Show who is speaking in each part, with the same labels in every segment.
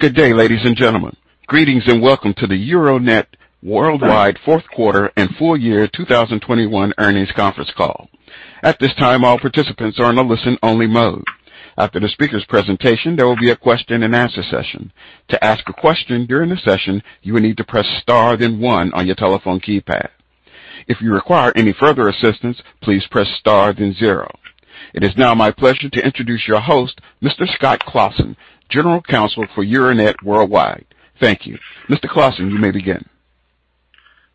Speaker 1: Good day, ladies and gentlemen. Greetings and welcome to the Euronet Worldwide fourth quarter and full year 2021 earnings conference call. At this time, all participants are in a listen-only mode. After the speaker's presentation, there will be a Q&A session. To ask a question during the session, you will need to press star, then one on your telephone keypad. If you require any further assistance, please press star, then zero. It is now my pleasure to introduce your host, Mr. Scott Claassen, General Counsel for Euronet Worldwide. Thank you. Mr. Claassen, you may begin.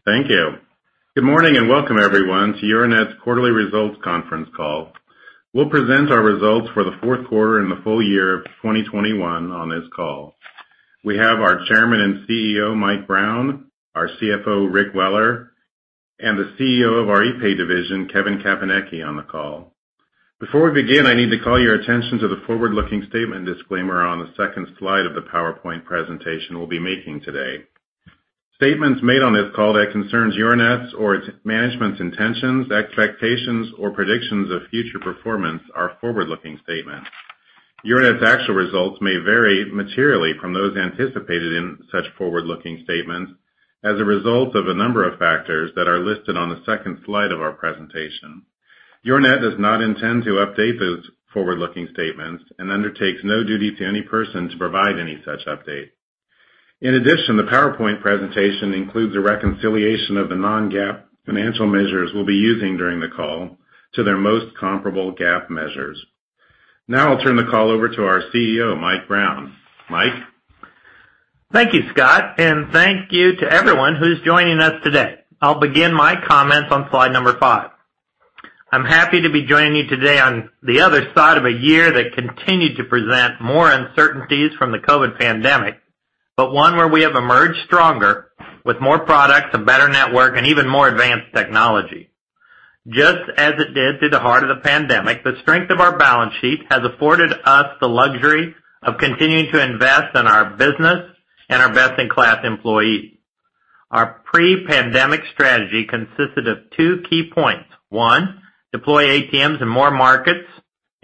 Speaker 2: Thank you. Good morning and welcome everyone to Euronet's quarterly results conference call. We'll present our results for the fourth quarter and the full year of 2021 on this call. We have our Chairman and CEO, Mike Brown, our CFO, Rick Weller, and the CEO of our epay division, Kevin Caponecchi, on the call. Before we begin, I need to call your attention to the forward-looking statement disclaimer on the second slide of the PowerPoint presentation we'll be making today. Statements made on this call that concerns Euronet's or its management's intentions, expectations, or predictions of future performance are forward-looking statements. Euronet's actual results may vary materially from those anticipated in such forward-looking statements as a result of a number of factors that are listed on the second slide of our presentation. Euronet does not intend to update those forward-looking statements and undertakes no duty to any person to provide any such update. In addition, the PowerPoint presentation includes a reconciliation of the non-GAAP financial measures we'll be using during the call to their most comparable GAAP measures. Now I'll turn the call over to our CEO, Mike Brown. Mike?
Speaker 3: Thank you, Scott, and thank you to everyone who's joining us today. I'll begin my comments on slide number five. I'm happy to be joining you today on the other side of a year that continued to present more uncertainties from the COVID pandemic, but one where we have emerged stronger with more products, a better network, and even more advanced technology. Just as it did through the heart of the pandemic, the strength of our balance sheet has afforded us the luxury of continuing to invest in our business and our best-in-class employees. Our pre-pandemic strategy consisted of two key points. One, deploy ATMs in more markets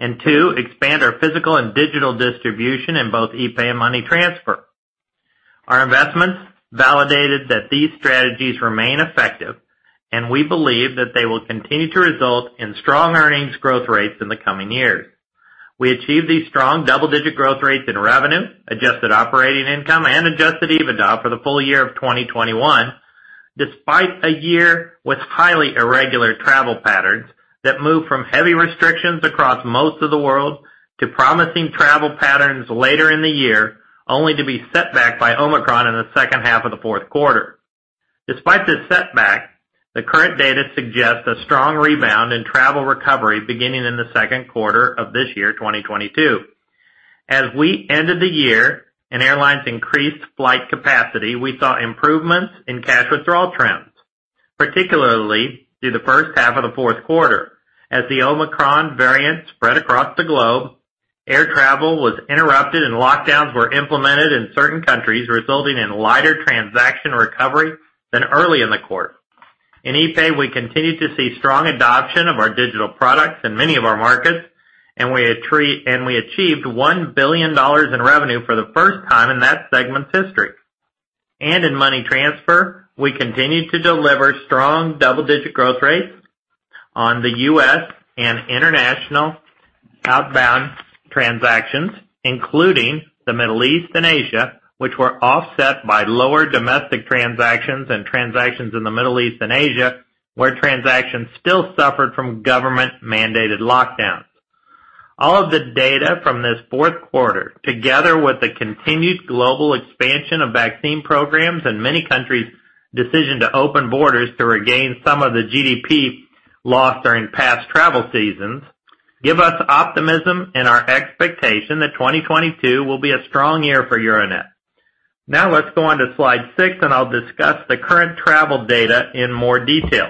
Speaker 3: and two, expand our physical and digital distribution in both epay and Money Transfer. Our investments validated that these strategies remain effective, and we believe that they will continue to result in strong earnings growth rates in the coming years. We achieved these strong double-digit growth rates in revenue, adjusted operating income, and adjusted EBITDA for the full year of 2021, despite a year with highly irregular travel patterns that moved from heavy restrictions across most of the world to promising travel patterns later in the year, only to be set back by Omicron in the second half of the fourth quarter. Despite this setback, the current data suggests a strong rebound in travel recovery beginning in the second quarter of this year, 2022. As we ended the year and airlines increased flight capacity, we saw improvements in cash withdrawal trends, particularly through the first half of the fourth quarter. As the Omicron variant spread across the globe, air travel was interrupted and lockdowns were implemented in certain countries, resulting in lighter transaction recovery than early in the quarter. In epay, we continued to see strong adoption of our digital products in many of our markets, and we achieved $1 billion in revenue for the first time in that segment's history. In Money Transfer, we continued to deliver strong double-digit growth rates on the U.S. and international outbound transactions, including the Middle East and Asia, which were offset by lower domestic transactions and transactions in the Middle East and Asia, where transactions still suffered from government-mandated lockdowns. All of the data from this fourth quarter, together with the continued global expansion of vaccine programs and many countries' decision to open borders to regain some of the GDP lost during past travel seasons, give us optimism and our expectation that 2022 will be a strong year for Euronet. Now let's go on to slide six, and I'll discuss the current travel data in more detail.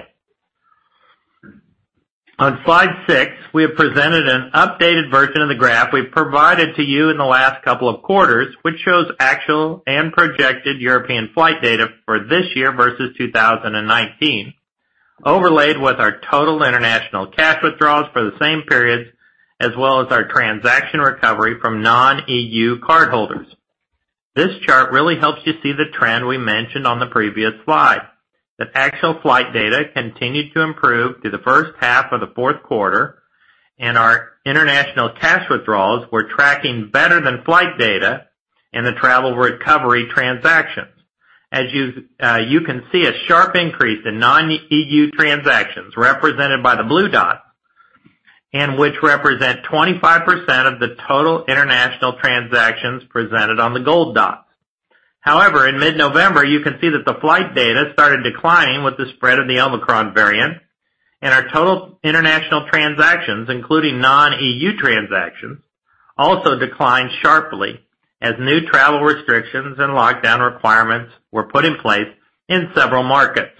Speaker 3: On slide six, we have presented an updated version of the graph we've provided to you in the last couple of quarters, which shows actual and projected European flight data for this year versus 2019, overlaid with our total international cash withdrawals for the same periods, as well as our transaction recovery from non-EU cardholders. This chart really helps you see the trend we mentioned on the previous slide, that actual flight data continued to improve through the first half of the fourth quarter, and our international cash withdrawals were tracking better than flight data in the travel recovery transactions. As you can see a sharp increase in non-EU transactions represented by the blue dots, and which represent 25% of the total international transactions presented on the gold dots. However, in mid-November, you can see that the flight data started declining with the spread of the Omicron variant, and our total international transactions, including non-EU transactions, also declined sharply as new travel restrictions and lockdown requirements were put in place in several markets.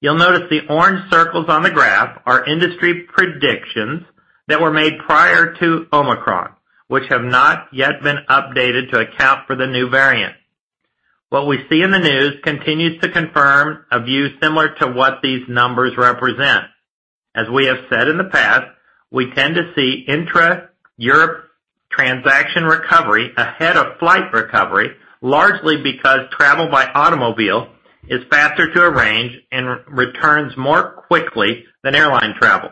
Speaker 3: You'll notice the orange circles on the graph are industry predictions that were made prior to Omicron, which have not yet been updated to account for the new variant. What we see in the news continues to confirm a view similar to what these numbers represent. As we have said in the past, we tend to see intra-Europe transaction recovery ahead of flight recovery, largely because travel by automobile is faster to arrange and returns more quickly than airline travel.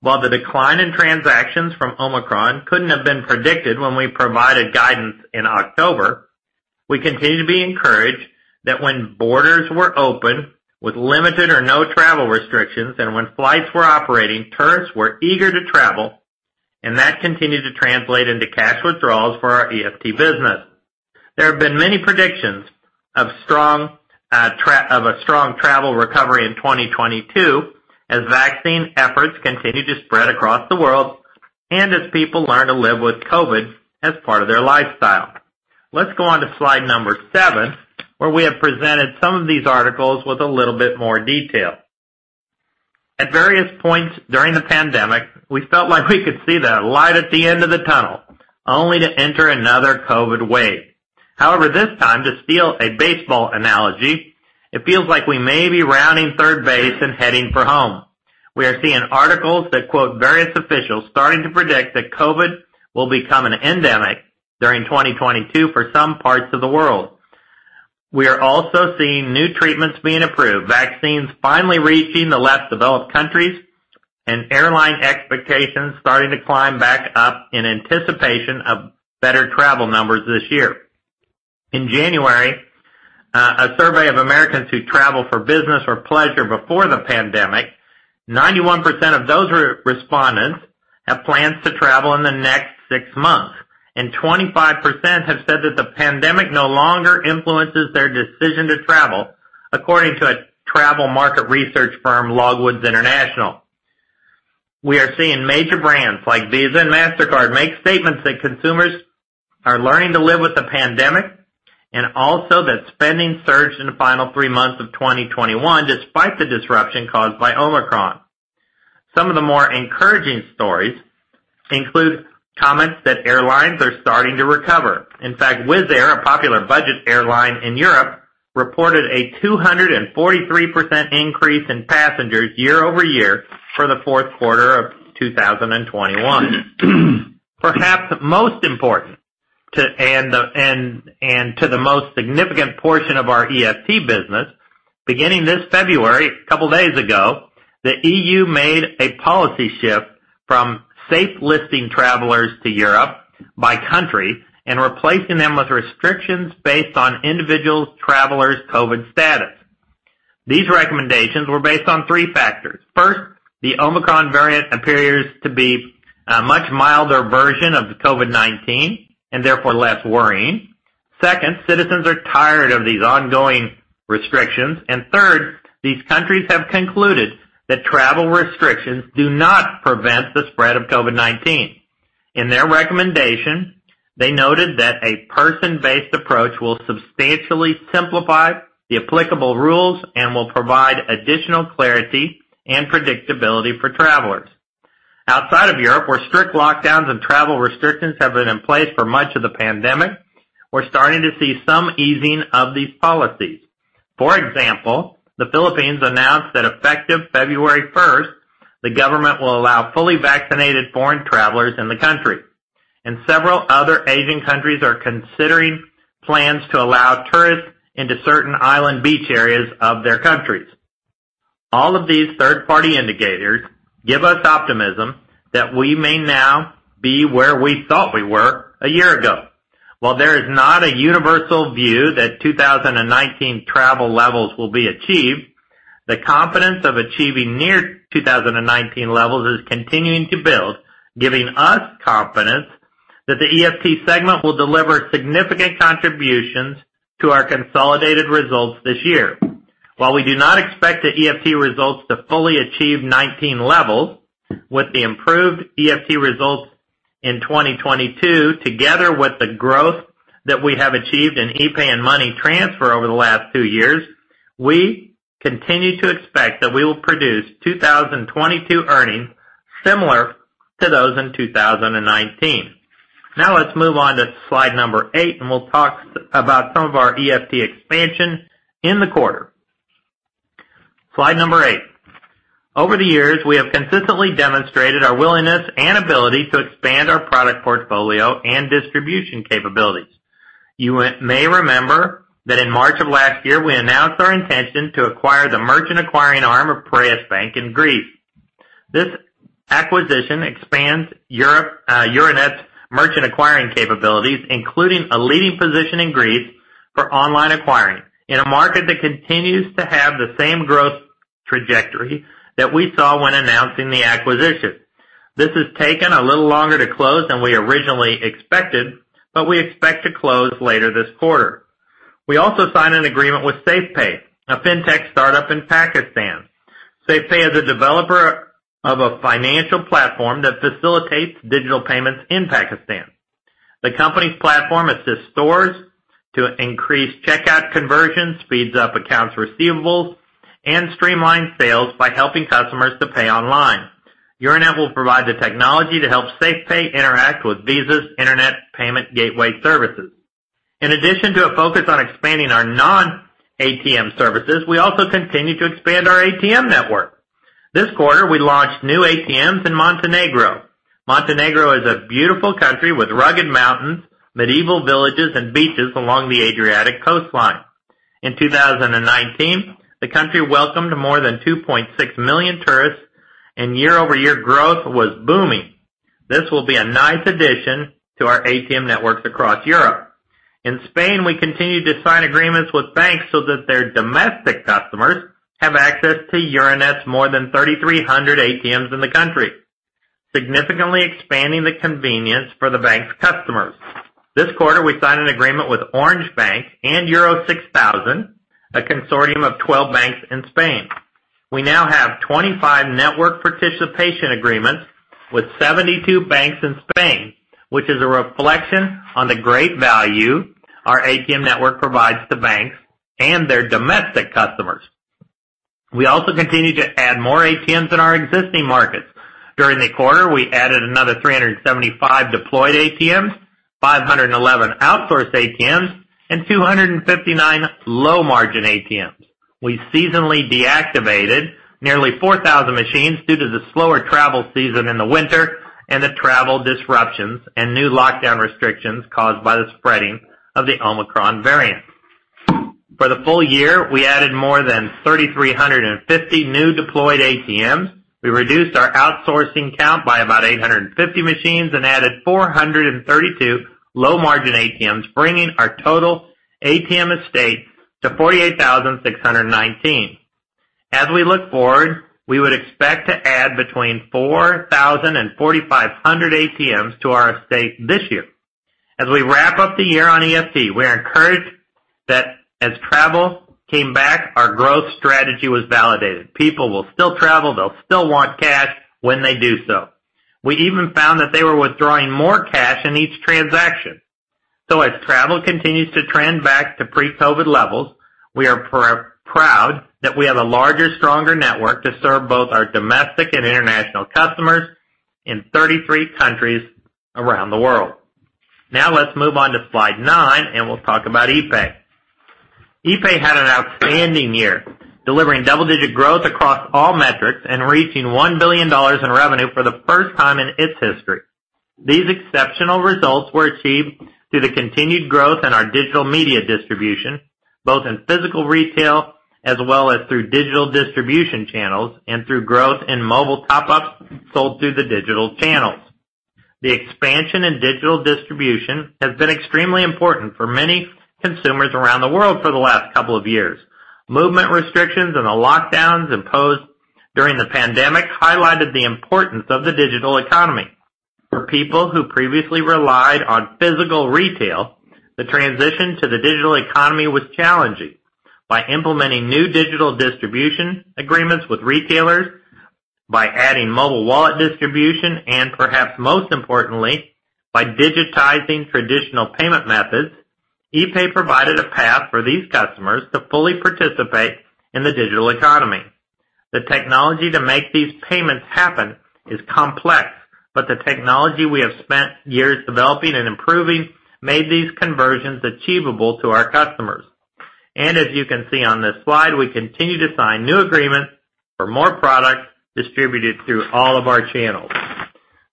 Speaker 3: While the decline in transactions from Omicron couldn't have been predicted when we provided guidance in October, we continue to be encouraged that when borders were open with limited or no travel restrictions and when flights were operating, tourists were eager to travel, and that continued to translate into cash withdrawals for our EFT business. There have been many predictions of a strong travel recovery in 2022 as vaccine efforts continue to spread across the world and as people learn to live with COVID as part of their lifestyle. Let's go on to slide number seven, where we have presented some of these articles with a little bit more detail. At various points during the pandemic, we felt like we could see the light at the end of the tunnel, only to enter another COVID wave. However, this time, to steal a baseball analogy, it feels like we may be rounding third base and heading for home. We are seeing articles that quote various officials starting to predict that COVID-19 will become an endemic during 2022 for some parts of the world. We are also seeing new treatments being approved, vaccines finally reaching the less developed countries, and airline expectations starting to climb back up in anticipation of better travel numbers this year. In January, a survey of Americans who travel for business or pleasure before the pandemic, 91% of those respondents have plans to travel in the next six months, and 25% have said that the pandemic no longer influences their decision to travel, according to a travel market research firm, Longwoods International. We are seeing major brands like Visa and Mastercard make statements that consumers are learning to live with the pandemic and also that spending surged in the final three months of 2021 despite the disruption caused by Omicron. Some of the more encouraging stories include comments that airlines are starting to recover. In fact, Wizz Air, a popular budget airline in Europe, reported a 243% increase in passengers year-over-year for the fourth quarter of 2021. Perhaps most important to the most significant portion of our EFT business, beginning this February, a couple days ago, the EU made a policy shift from safe listing travelers to Europe by country and replacing them with restrictions based on individual travelers' COVID status. These recommendations were based on three factors. First, the Omicron variant appears to be a much milder version of the COVID-19, and therefore less worrying. Second, citizens are tired of these ongoing restrictions. Third, these countries have concluded that travel restrictions do not prevent the spread of COVID-19. In their recommendation, they noted that a person-based approach will substantially simplify the applicable rules and will provide additional clarity and predictability for travelers. Outside of Europe, where strict lockdowns and travel restrictions have been in place for much of the pandemic, we're starting to see some easing of these policies. For example, the Philippines announced that effective February 1st, the government will allow fully vaccinated foreign travelers in the country. Several other Asian countries are considering plans to allow tourists into certain island beach areas of their countries. All of these third-party indicators give us optimism that we may now be where we thought we were a year ago. While there is not a universal view that 2019 travel levels will be achieved, the confidence of achieving near 2019 levels is continuing to build, giving us confidence that the EFT segment will deliver significant contributions to our consolidated results this year. While we do not expect the EFT results to fully achieve 2019 levels, with the improved EFT results in 2022, together with the growth that we have achieved in epay and Money Transfer over the last two years, we continue to expect that we will produce 2022 earnings similar to those in 2019. Now let's move on to slide number eight, and we'll talk about some of our EFT expansion in the quarter. Slide number eight. Over the years, we have consistently demonstrated our willingness and ability to expand our product portfolio and distribution capabilities. You may remember that in March of last year, we announced our intention to acquire the merchant acquiring arm of Piraeus Bank in Greece. This acquisition expands Euronet's merchant acquiring capabilities, including a leading position in Greece for online acquiring in a market that continues to have the same growth trajectory that we saw when announcing the acquisition. This has taken a little longer to close than we originally expected, but we expect to close later this quarter. We also signed an agreement with Safepay, a fintech startup in Pakistan. Safepay is a developer of a financial platform that facilitates digital payments in Pakistan. The company's platform assists stores to increase checkout conversion, speeds up accounts receivables, and streamlines sales by helping customers to pay online. Euronet will provide the technology to help Safepay interact with Visa's internet payment gateway services. In addition to a focus on expanding our non-ATM services, we also continue to expand our ATM network. This quarter, we launched new ATMs in Montenegro. Montenegro is a beautiful country with rugged mountains, medieval villages and beaches along the Adriatic coastline. In 2019, the country welcomed more than 2.6 million tourists and year-over-year growth was booming. This will be a nice addition to our ATM networks across Europe. In Spain, we continued to sign agreements with banks so that their domestic customers have access to Euronet's more than 3,300 ATMs in the country, significantly expanding the convenience for the bank's customers. This quarter, we signed an agreement with Orange Bank and Euro 6000, a consortium of 12 banks in Spain. We now have 25 network participation agreements with 72 banks in Spain, which is a reflection on the great value our ATM network provides to banks and their domestic customers. We also continue to add more ATMs in our existing markets. During the quarter, we added another 375 deployed ATMs, 511 outsourced ATMs, and 259 low-margin ATMs. We seasonally deactivated nearly 4,000 machines due to the slower travel season in the winter and the travel disruptions and new lockdown restrictions caused by the spreading of the Omicron variant. For the full year, we added more than 3,350 new deployed ATMs. We reduced our outsourcing count by about 850 machines and added 432 low-margin ATMs, bringing our total ATM estate to 48,619. As we look forward, we would expect to add between 4,000 and 4,500 ATMs to our estate this year. As we wrap up the year on EFT, we are encouraged that as travel came back, our growth strategy was validated. People will still travel. They'll still want cash when they do so. We even found that they were withdrawing more cash in each transaction. As travel continues to trend back to pre-COVID levels, we are proud that we have a larger, stronger network to serve both our domestic and international customers in 33 countries around the world. Now let's move on to slide nine, and we'll talk about epay. Epay had an outstanding year, delivering double-digit growth across all metrics and reaching $1 billion in revenue for the first time in its history. These exceptional results were achieved through the continued growth in our digital media distribution, both in physical retail as well as through digital distribution channels and through growth in mobile top-ups sold through the digital channels. The expansion in digital distribution has been extremely important for many consumers around the world for the last couple of years. Movement restrictions and the lockdowns imposed during the pandemic highlighted the importance of the digital economy. For people who previously relied on physical retail, the transition to the digital economy was challenging. By implementing new digital distribution agreements with retailers, by adding mobile wallet distribution, and perhaps most importantly, by digitizing traditional payment methods, Epay provided a path for these customers to fully participate in the digital economy. The technology to make these payments happen is complex, but the technology we have spent years developing and improving made these conversions achievable to our customers. As you can see on this slide, we continue to sign new agreements for more products distributed through all of our channels.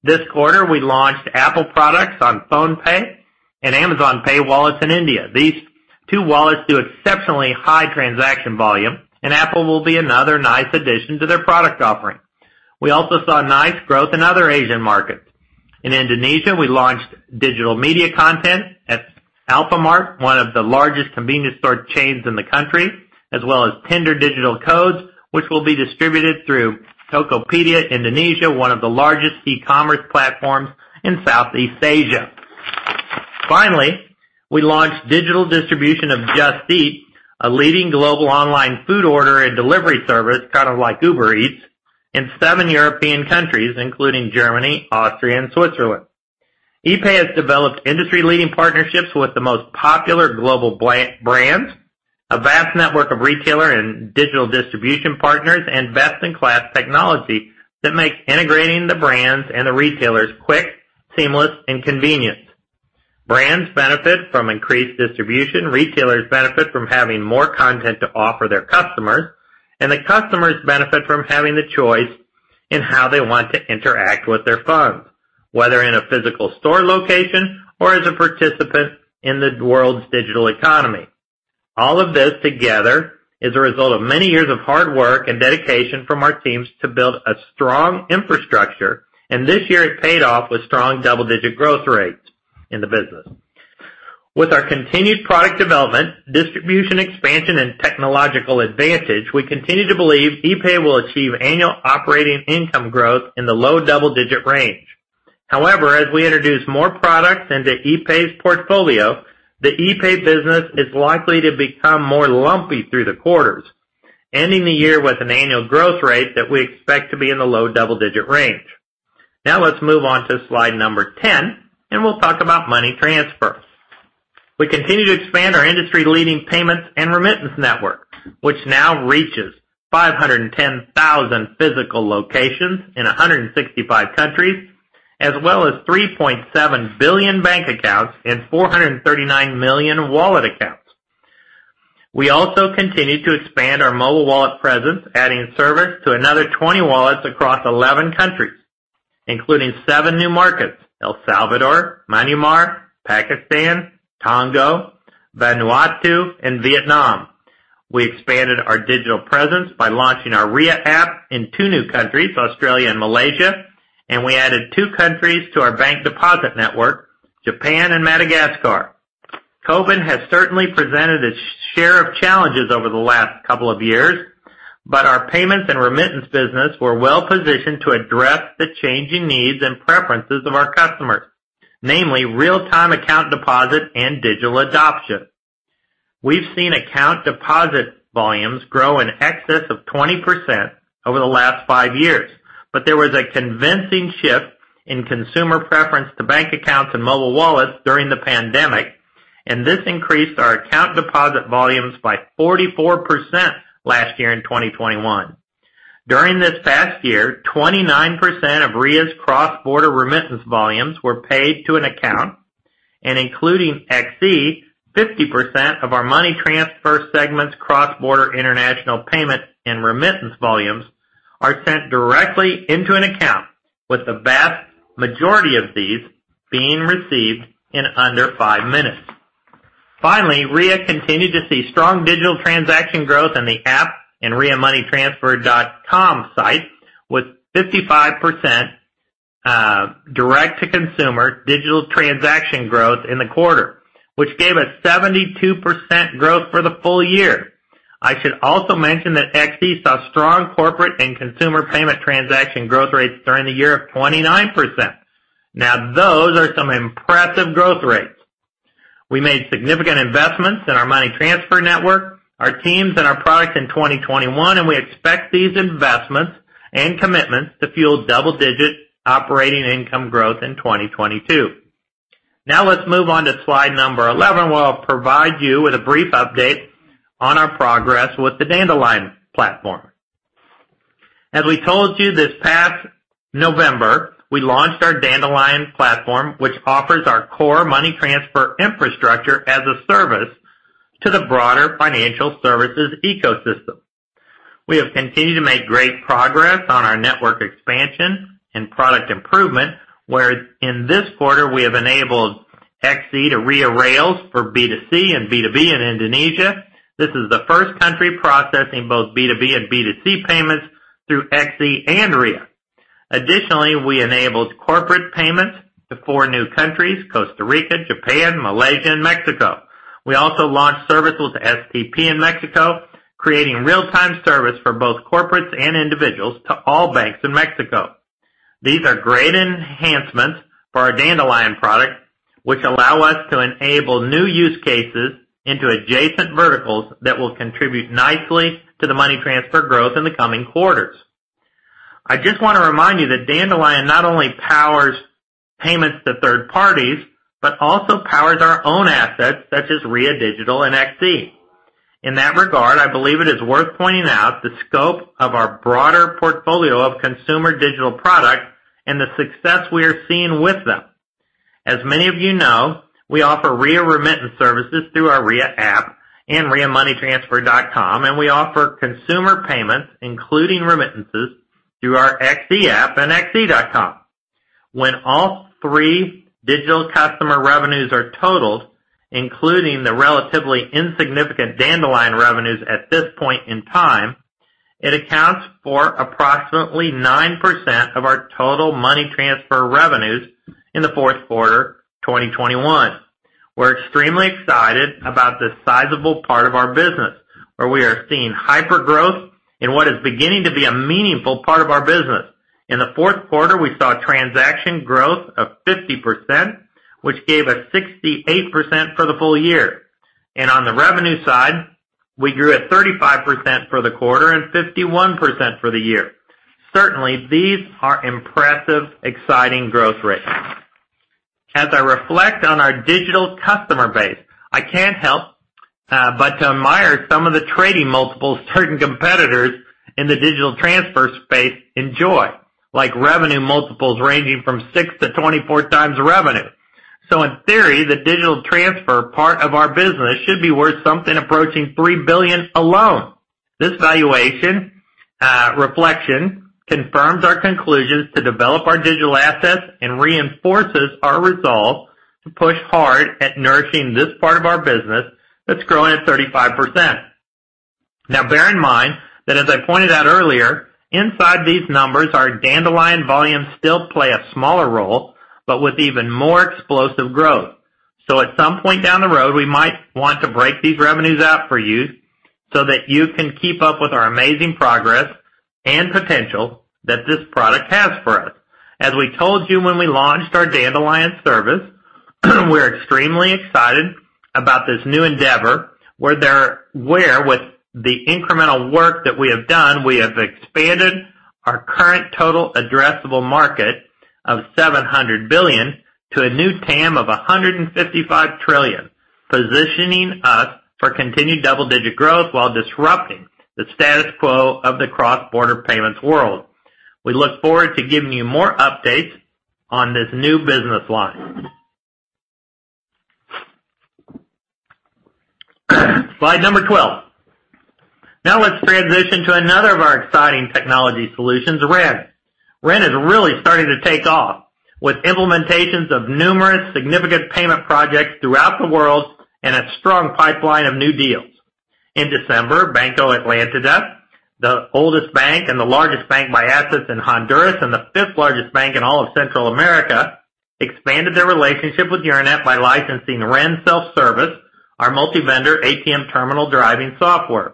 Speaker 3: This quarter, we launched Apple products on PhonePe and Amazon Pay wallets in India. These two wallets do exceptionally high transaction volume, and Apple will be another nice addition to their product offering. We also saw nice growth in other Asian markets. In Indonesia, we launched digital media content at Alfamart, one of the largest convenience store chains in the country, as well as Tinder digital codes, which will be distributed through Tokopedia Indonesia, one of the largest e-commerce platforms in Southeast Asia. Finally, we launched digital distribution of Just Eat, a leading global online food order and delivery service, kind of like Uber Eats, in seven European countries, including Germany, Austria, and Switzerland. Epay has developed industry-leading partnerships with the most popular global brands, a vast network of retailer and digital distribution partners, and best-in-class technology that makes integrating the brands and the retailers quick, seamless, and convenient. Brands benefit from increased distribution, retailers benefit from having more content to offer their customers, and the customers benefit from having the choice in how they want to interact with their funds, whether in a physical store location or as a participant in the world's digital economy. All of this together is a result of many years of hard work and dedication from our teams to build a strong infrastructure, and this year it paid off with strong double-digit growth rates in the business. With our continued product development, distribution expansion, and technological advantage, we continue to believe epay will achieve annual operating income growth in the low double-digit range. However, as we introduce more products into epay's portfolio, the epay business is likely to become more lumpy through the quarters, ending the year with an annual growth rate that we expect to be in the low double-digit range. Now let's move on to slide 10, and we'll talk about Money Transfer. We continue to expand our industry-leading payments and remittance network, which now reaches 510,000 physical locations in 165 countries, as well as 3.7 billion bank accounts and 439 million wallet accounts. We also continue to expand our mobile wallet presence, adding service to another 20 wallets across 11 countries, including seven new markets, El Salvador, Myanmar, Pakistan, Congo, Vanuatu, and Vietnam. We expanded our digital presence by launching our Ria app in two new countries, Australia and Malaysia, and we added two countries to our bank deposit network, Japan and Madagascar. COVID has certainly presented its share of challenges over the last couple of years, but our payments and remittance business were well-positioned to address the changing needs and preferences of our customers, namely real-time account deposit and digital adoption. We've seen account deposit volumes grow in excess of 20% over the last five years, but there was a convincing shift in consumer preference to bank accounts and mobile wallets during the pandemic, and this increased our account deposit volumes by 44% last year in 2021. During this past year, 29% of Ria's cross-border remittance volumes were paid to an account, and including Xe, 50% of our Money Transfer segment's cross-border international payment and remittance volumes are sent directly into an account, with the vast majority of these being received in under five minutes. Finally, Ria continued to see strong digital transaction growth in the app and riamoneytransfer.com site, with 55% direct-to-consumer digital transaction growth in the quarter, which gave us 72% growth for the full year. I should also mention that Xe saw strong corporate and consumer payment transaction growth rates during the year of 29%. Now, those are some impressive growth rates. We made significant investments in our Money Transfer network, our teams, and our products in 2021, and we expect these investments and commitments to fuel double-digit operating income growth in 2022. Now let's move on to slide number 11, where I'll provide you with a brief update on our progress with the Dandelion Platform. As we told you this past November, we launched our Dandelion Platform, which offers our core Money Transfer infrastructure as a service to the broader financial services ecosystem. We have continued to make great progress on our network expansion and product improvement, where in this quarter we have enabled Xe to Ria rails for B2C and B2B in Indonesia. This is the first country processing both B2B and B2C payments through Xe and Ria. Additionally, we enabled corporate payments to four new countries, Costa Rica, Japan, Malaysia, and Mexico. We also launched services to SPEI in Mexico, creating real-time service for both corporates and individuals to all banks in Mexico. These are great enhancements for our Dandelion product, which allow us to enable new use cases into adjacent verticals that will contribute nicely to the Money Transfer growth in the coming quarters. I just want to remind you that Dandelion not only powers payments to third parties, but also powers our own assets, such as Ria Digital and Xe. In that regard, I believe it is worth pointing out the scope of our broader portfolio of consumer digital products and the success we are seeing with them. As many of you know, we offer Ria remittance services through our Ria app and riamoneytransfer.com, and we offer consumer payments, including remittances, through our Xe app and xe.com. When all three digital customer revenues are totaled, including the relatively insignificant Dandelion revenues at this point in time, it accounts for approximately 9% of our total Money Transfer revenues in the fourth quarter 2021. We're extremely excited about this sizable part of our business, where we are seeing hypergrowth in what is beginning to be a meaningful part of our business. In the fourth quarter, we saw transaction growth of 50%, which gave us 68% for the full year. On the revenue side, we grew at 35% for the quarter and 51% for the year. Certainly, these are impressive, exciting growth rates. As I reflect on our digital customer base, I can't help but to admire some of the trading multiples certain competitors in the digital transfer space enjoy, like revenue multiples ranging from 6-24x revenue. In theory, the digital transfer part of our business should be worth something approaching $3 billion alone. This valuation reflection confirms our conclusions to develop our digital assets and reinforces our resolve to push hard at nurturing this part of our business that's growing at 35%. Now bear in mind that, as I pointed out earlier, inside these numbers, our Dandelion volumes still play a smaller role, but with even more explosive growth. At some point down the road, we might want to break these revenues out for you so that you can keep up with our amazing progress and potential that this product has for us. As we told you when we launched our Dandelion service, we're extremely excited about this new endeavor, where with the incremental work that we have done, we have expanded our current total addressable market of $700 billion to a new TAM of $155 trillion, positioning us for continued double-digit growth while disrupting the status quo of the cross-border payments world. We look forward to giving you more updates on this new business line. Slide number 12. Now let's transition to another of our exciting technology solutions, REN. Ren is really starting to take off with implementations of numerous significant payment projects throughout the world and a strong pipeline of new deals. In December, Banco Atlántida, the oldest bank and the largest bank by assets in Honduras and the fifth largest bank in all of Central America, expanded their relationship with Euronet by licensing Ren Self-Service, our multi-vendor ATM terminal driving software.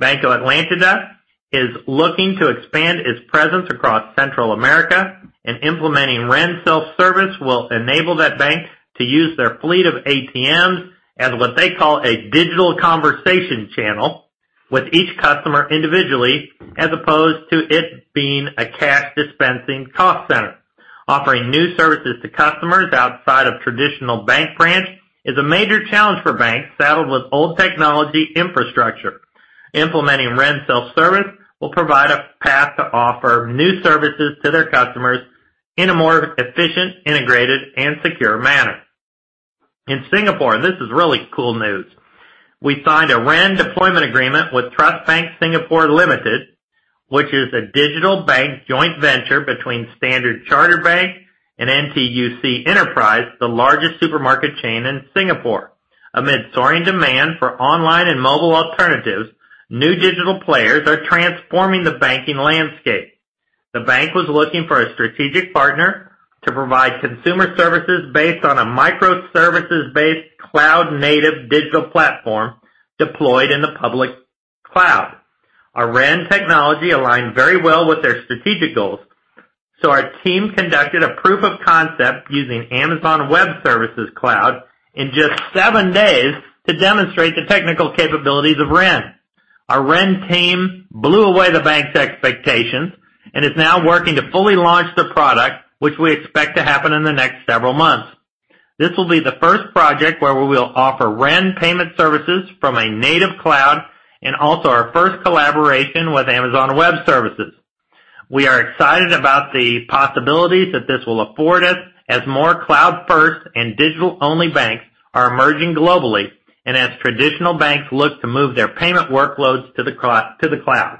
Speaker 3: Banco Atlántida is looking to expand its presence across Central America, and implementing Ren Self-Service will enable that bank to use their fleet of ATMs as what they call a digital conversation channel with each customer individually, as opposed to it being a cash dispensing cost center. Offering new services to customers outside of traditional bank branch is a major challenge for banks saddled with old technology infrastructure. Implementing Ren Self-Service will provide a path to offer new services to their customers in a more efficient, integrated, and secure manner. In Singapore, this is really cool news. We signed a Ren deployment agreement with Trust Bank Singapore Limited, which is a digital bank joint venture between Standard Chartered Bank and NTUC Enterprise, the largest supermarket chain in Singapore. Amid soaring demand for online and mobile alternatives, new digital players are transforming the banking landscape. The bank was looking for a strategic partner to provide consumer services based on a microservices-based cloud-native digital platform deployed in the public cloud. Our Ren technology aligned very well with their strategic goals. Our team conducted a proof of concept using Amazon Web Services cloud in just seven days to demonstrate the technical capabilities of REN. Our Ren team blew away the bank's expectations and is now working to fully launch the product, which we expect to happen in the next several months. This will be the first project where we will offer Ren Payment Services from a native cloud and also our first collaboration with Amazon Web Services. We are excited about the possibilities that this will afford us as more cloud-first and digital-only banks are emerging globally, and as traditional banks look to move their payment workloads to the cloud.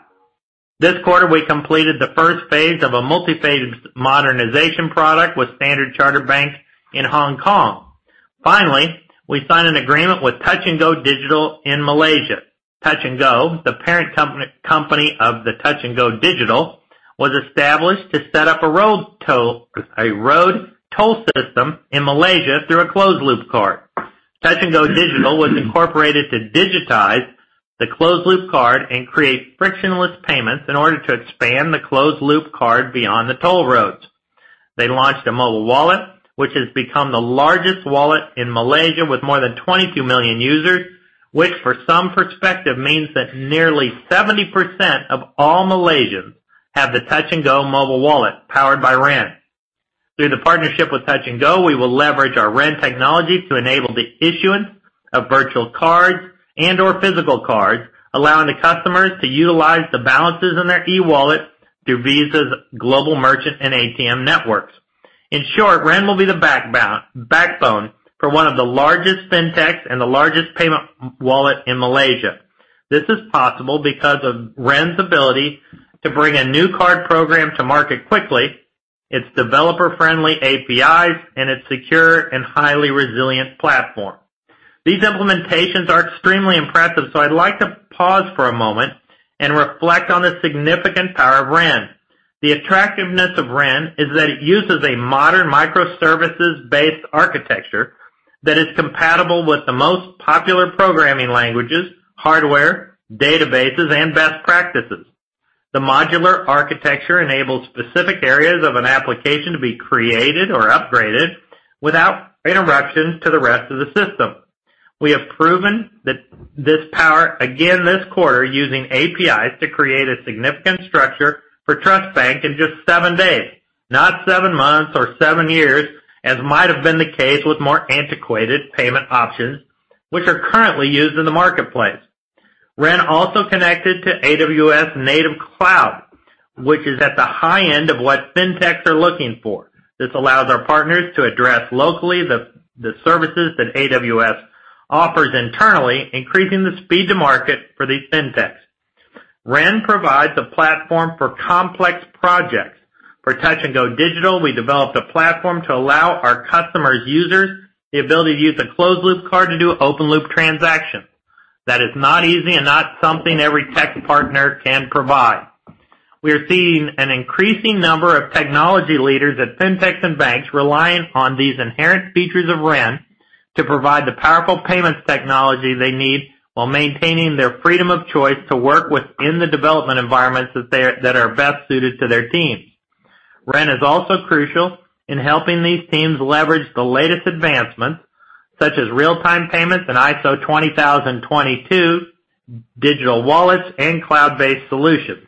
Speaker 3: This quarter, we completed the first phase of a multi-phase modernization product with Standard Chartered Bank in Hong Kong. Finally, we signed an agreement with Touch 'n Go Digital in Malaysia. Touch 'n Go, the parent company of the Touch 'n Go Digital, was established to set up a road toll system in Malaysia through a closed-loop card. Touch 'n Go Digital was incorporated to digitize the closed-loop card and create frictionless payments in order to expand the closed-loop card beyond the toll roads. They launched a mobile wallet, which has become the largest wallet in Malaysia with more than 22 million users, which for some perspective, means that nearly 70% of all Malaysians have the Touch 'n Go mobile wallet powered by REN. Through the partnership with Touch 'n Go, we will leverage our Ren technology to enable the issuance of virtual cards and/or physical cards, allowing the customers to utilize the balances in their e-wallet through Visa's global merchant and ATM networks. In short, Ren will be the backbone for one of the largest fintechs and the largest payment wallet in Malaysia. This is possible because of REN's ability to bring a new card program to market quickly, its developer-friendly APIs, and its secure and highly resilient platform. These implementations are extremely impressive, so I'd like to pause for a moment and reflect on the significant power of REN. The attractiveness of Ren is that it uses a modern microservices-based architecture that is compatible with the most popular programming languages, hardware, databases, and best practices. The modular architecture enables specific areas of an application to be created or upgraded without interruptions to the rest of the system. We have proven that this power, again this quarter, using APIs to create a significant structure for Trust Bank in just seven days, not seven months or seven years, as might have been the case with more antiquated payment options which are currently used in the marketplace. Ren also connected to AWS-native cloud, which is at the high end of what fintechs are looking for. This allows our partners to address locally the services that AWS offers internally, increasing the speed to market for these fintechs. Ren provides a platform for complex projects. For Touch 'n Go Digital, we developed a platform to allow our customers' users the ability to use a closed-loop card to do open-loop transactions. That is not easy and not something every tech partner can provide. We are seeing an increasing number of technology leaders at fintechs and banks relying on these inherent features of Ren to provide the powerful payments technology they need while maintaining their freedom of choice to work within the development environments that are best suited to their teams. Ren is also crucial in helping these teams leverage the latest advancements such as real-time payments and ISO 20022, digital wallets and cloud-based solutions.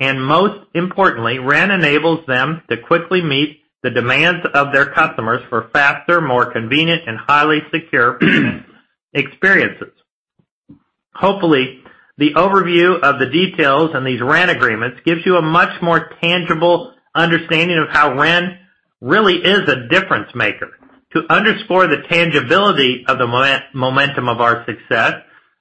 Speaker 3: Most importantly, Ren enables them to quickly meet the demands of their customers for faster, more convenient, and highly secure experiences. Hopefully, the overview of the details in these Ren agreements gives you a much more tangible understanding of how Ren really is a difference-maker. To underscore the tangibility of the momentum of our success,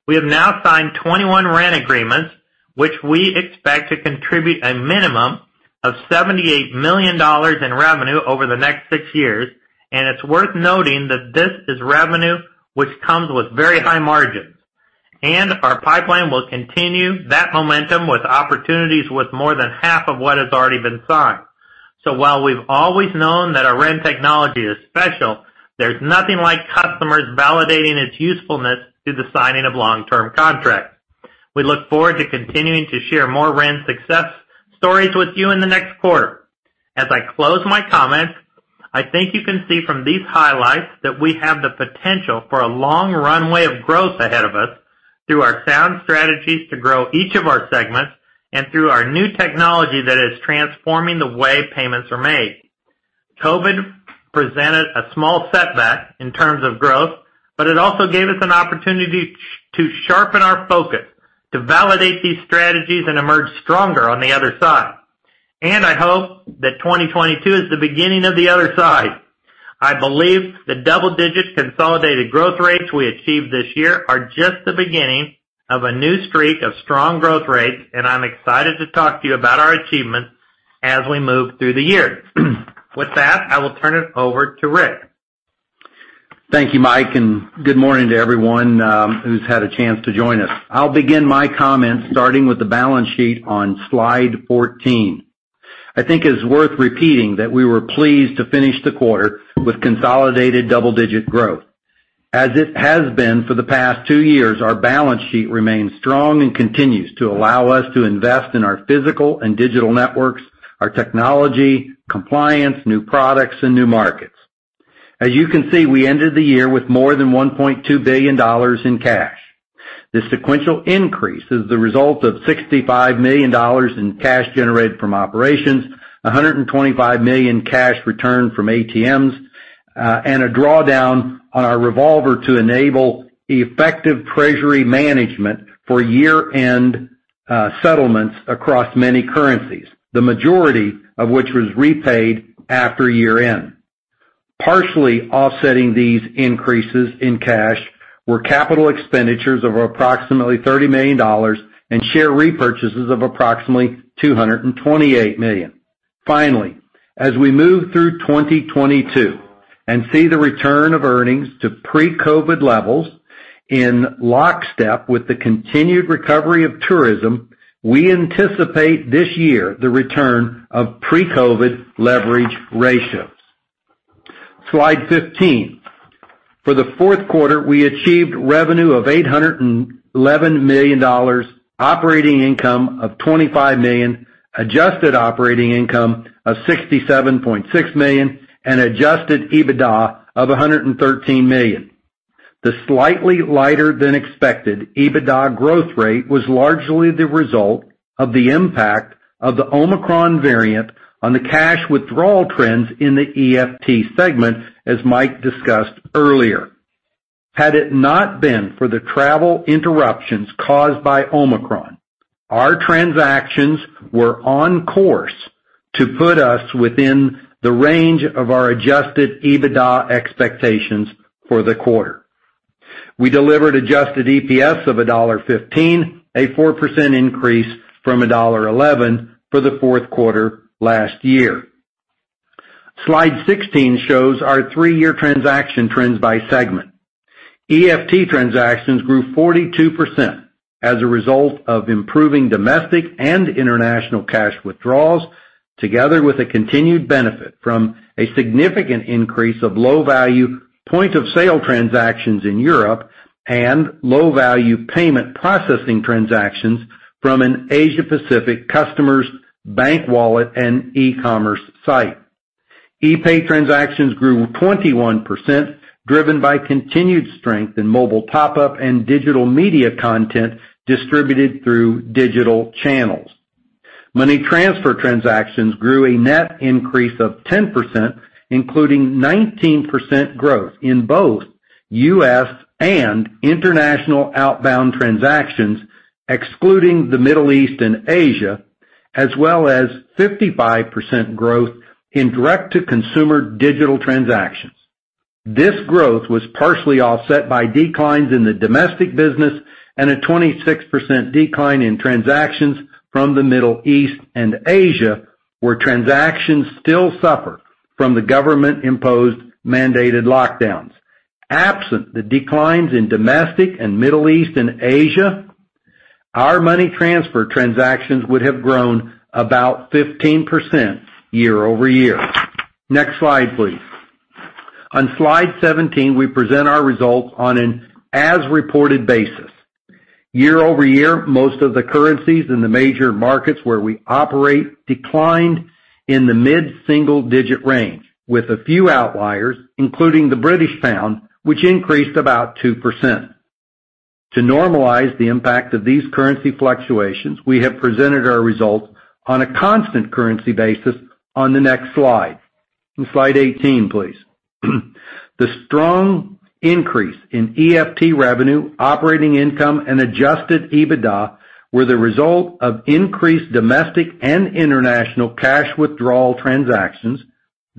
Speaker 3: we have now signed 21 Ren agreements, which we expect to contribute a minimum of $78 million in revenue over the next six years. It's worth noting that this is revenue which comes with very high margins. Our pipeline will continue that momentum with opportunities with more than half of what has already been signed. While we've always known that our Ren technology is special, there's nothing like customers validating its usefulness through the signing of long-term contracts. We look forward to continuing to share more Ren success stories with you in the next quarter. As I close my comments, I think you can see from these highlights that we have the potential for a long runway of growth ahead of us through our sound strategies to grow each of our segments and through our new technology that is transforming the way payments are made. COVID presented a small setback in terms of growth, but it also gave us an opportunity to sharpen our focus, to validate these strategies and emerge stronger on the other side. I hope that 2022 is the beginning of the other side. I believe the double-digit consolidated growth rates we achieved this year are just the beginning of a new streak of strong growth rates, and I'm excited to talk to you about our achievements as we move through the year. With that, I will turn it over to Rick.
Speaker 4: Thank you, Mike, and good morning to everyone, who's had a chance to join us. I'll begin my comments starting with the balance sheet on slide 14. I think it's worth repeating that we were pleased to finish the quarter with consolidated double-digit growth. As it has been for the past two years, our balance sheet remains strong and continues to allow us to invest in our physical and digital networks, our technology, compliance, new products, and new markets. As you can see, we ended the year with more than $1.2 billion in cash. The sequential increase is the result of $65 million in cash generated from operations, $125 million cash returned from ATMs, and a drawdown on our revolver to enable effective treasury management for year-end settlements across many currencies, the majority of which was repaid after year-end. Partially offsetting these increases in cash were capital expenditures of approximately $30 million and share repurchases of approximately $228 million. Finally, as we move through 2022 and see the return of earnings to pre-COVID levels in lockstep with the continued recovery of tourism, we anticipate this year the return of pre-COVID leverage ratios. Slide 15. For the fourth quarter, we achieved revenue of $811 million, operating income of $25 million, adjusted operating income of $67.6 million, and adjusted EBITDA of $113 million. The slightly lighter than expected EBITDA growth rate was largely the result of the impact of the Omicron variant on the cash withdrawal trends in the EFT segment, as Mike discussed earlier. Had it not been for the travel interruptions caused by Omicron, our transactions were on course to put us within the range of our adjusted EBITDA expectations for the quarter. We delivered adjusted EPS of $1.15, a 4% increase from $1.11 for the fourth quarter last year. Slide 16 shows our three-year transaction trends by segment. EFT transactions grew 42% as a result of improving domestic and international cash withdrawals, together with a continued benefit from a significant increase of low-value point-of-sale transactions in Europe and low-value payment processing transactions from an Asia Pacific customer's bank wallet and e-commerce site. Epay transactions grew 21%, driven by continued strength in mobile top-up and digital media content distributed through digital channels. Money Transfer transactions grew a net increase of 10%, including 19% growth in both U.S. and international outbound transactions, excluding the Middle East and Asia, as well as 55% growth in direct-to-consumer digital transactions. This growth was partially offset by declines in the domestic business and a 26% decline in transactions from the Middle East and Asia, where transactions still suffer from the government-imposed mandated lockdowns. Absent the declines in domestic and Middle East and Asia, our Money Transfer transactions would have grown about 15% year-over-year. Next slide, please. On slide 17, we present our results on an as-reported basis. Year-over-year, most of the currencies in the major markets where we operate declined in the mid-single-digit range, with a few outliers, including the British pound, which increased about 2%. To normalize the impact of these currency fluctuations, we have presented our results on a constant currency basis on the next slide. On slide 18, please. The strong increase in EFT revenue, operating income, and adjusted EBITDA were the result of increased domestic and international cash withdrawal transactions,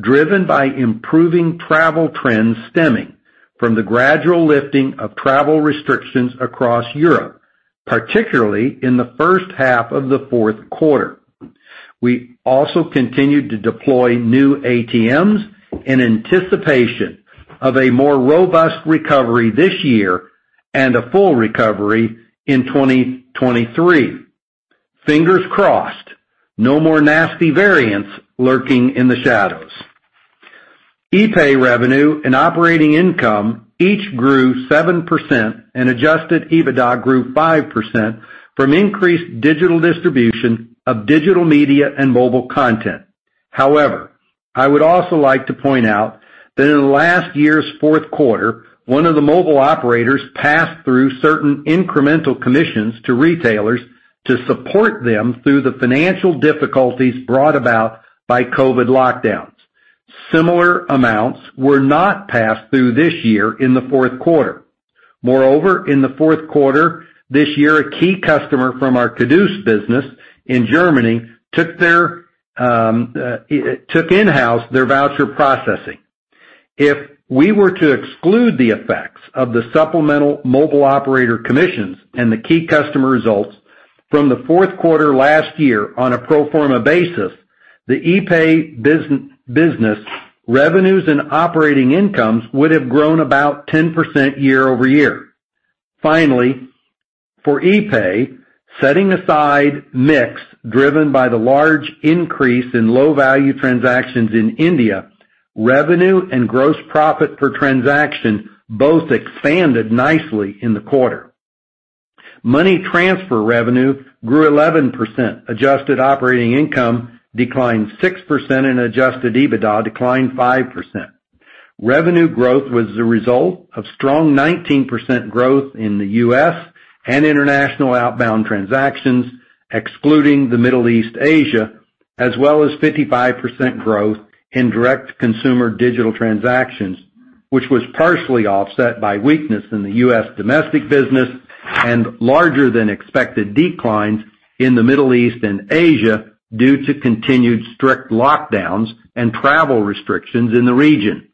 Speaker 4: driven by improving travel trends stemming from the gradual lifting of travel restrictions across Europe, particularly in the first half of the fourth quarter. We also continued to deploy new ATMs in anticipation of a more robust recovery this year and a full recovery in 2023. Fingers crossed, no more nasty variants lurking in the shadows. Epay revenue and operating income each grew 7%, and adjusted EBITDA grew 5% from increased digital distribution of digital media and mobile content. However, I would also like to point out that in last year's fourth quarter, one of the mobile operators passed through certain incremental commissions to retailers to support them through the financial difficulties brought about by COVID lockdowns. Similar amounts were not passed through this year in the fourth quarter. Moreover, in the fourth quarter this year, a key customer from our cadooz business in Germany took in-house their voucher processing. If we were to exclude the effects of the supplemental mobile operator commissions and the key customer results from the fourth quarter last year on a pro forma basis, the epay business revenues and operating incomes would have grown about 10% year-over-year. Finally, for epay, setting aside mix driven by the large increase in low-value transactions in India, revenue and gross profit per transaction both expanded nicely in the quarter. Money transfer revenue grew 11%. Adjusted operating income declined 6%, and adjusted EBITDA declined 5%. Revenue growth was the result of strong 19% growth in the U.S. and international outbound transactions, excluding the Middle East and Asia, as well as 55% growth in direct-to-consumer digital transactions, which was partially offset by weakness in the U.S. domestic business and larger than expected declines in the Middle East and Asia due to continued strict lockdowns and travel restrictions in the region.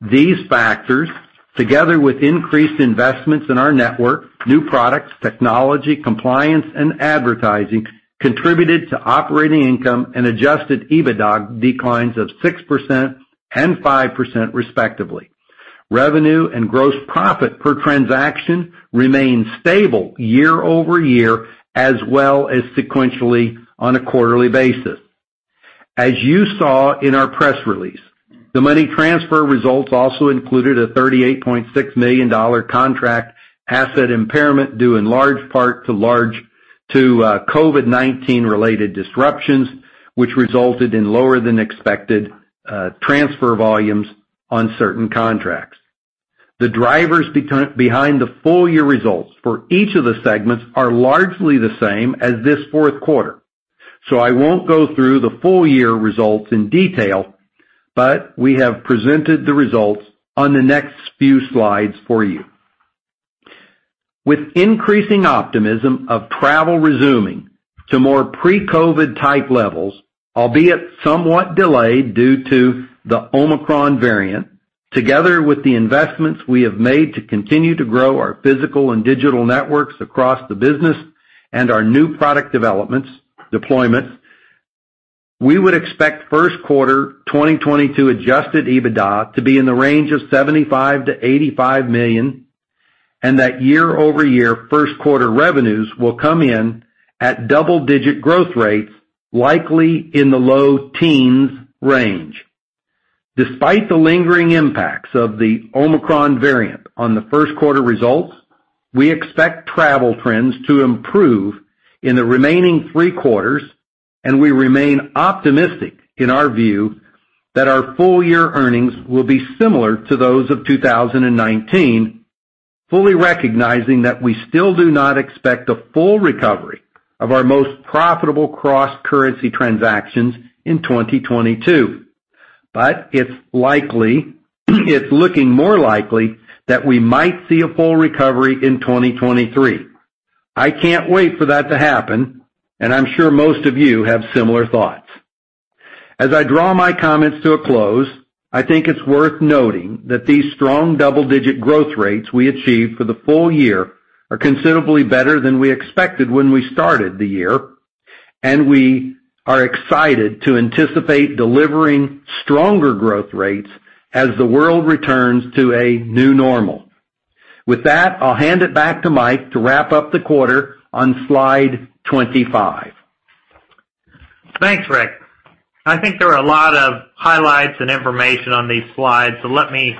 Speaker 4: These factors, together with increased investments in our network, new products, technology, compliance, and advertising, contributed to operating income and adjusted EBITDA declines of 6% and 5% respectively. Revenue and gross profit per transaction remained stable year-over-year as well as sequentially on a quarterly basis. As you saw in our press release, the Money Transfer results also included a $38.6 million contract asset impairment due in large part to COVID-19 related disruptions, which resulted in lower than expected transfer volumes on certain contracts. The drivers behind the full year results for each of the segments are largely the same as this fourth quarter. I won't go through the full year results in detail, but we have presented the results on the next few slides for you. With increasing optimism of travel resuming to more pre-COVID type levels, albeit somewhat delayed due to the Omicron variant, together with the investments we have made to continue to grow our physical and digital networks across the business and our new product deployments, we would expect first quarter 2022 adjusted EBITDA to be in the range of $75 million-$85 million, and that year-over-year first quarter revenues will come in at double-digit growth rates, likely in the low teens range. Despite the lingering impacts of the Omicron variant on the first quarter results, we expect travel trends to improve in the remaining three quarters, and we remain optimistic in our view that our full year earnings will be similar to those of 2019, fully recognizing that we still do not expect a full recovery of our most profitable cross-currency transactions in 2022. It's likely, it's looking more likely that we might see a full recovery in 2023. I can't wait for that to happen, and I'm sure most of you have similar thoughts. As I draw my comments to a close, I think it's worth noting that these strong double-digit growth rates we achieved for the full year are considerably better than we expected when we started the year, and we are excited to anticipate delivering stronger growth rates as the world returns to a new normal. With that, I'll hand it back to Mike to wrap up the quarter on slide 25.
Speaker 3: Thanks, Rick. I think there are a lot of highlights and information on these slides, so let me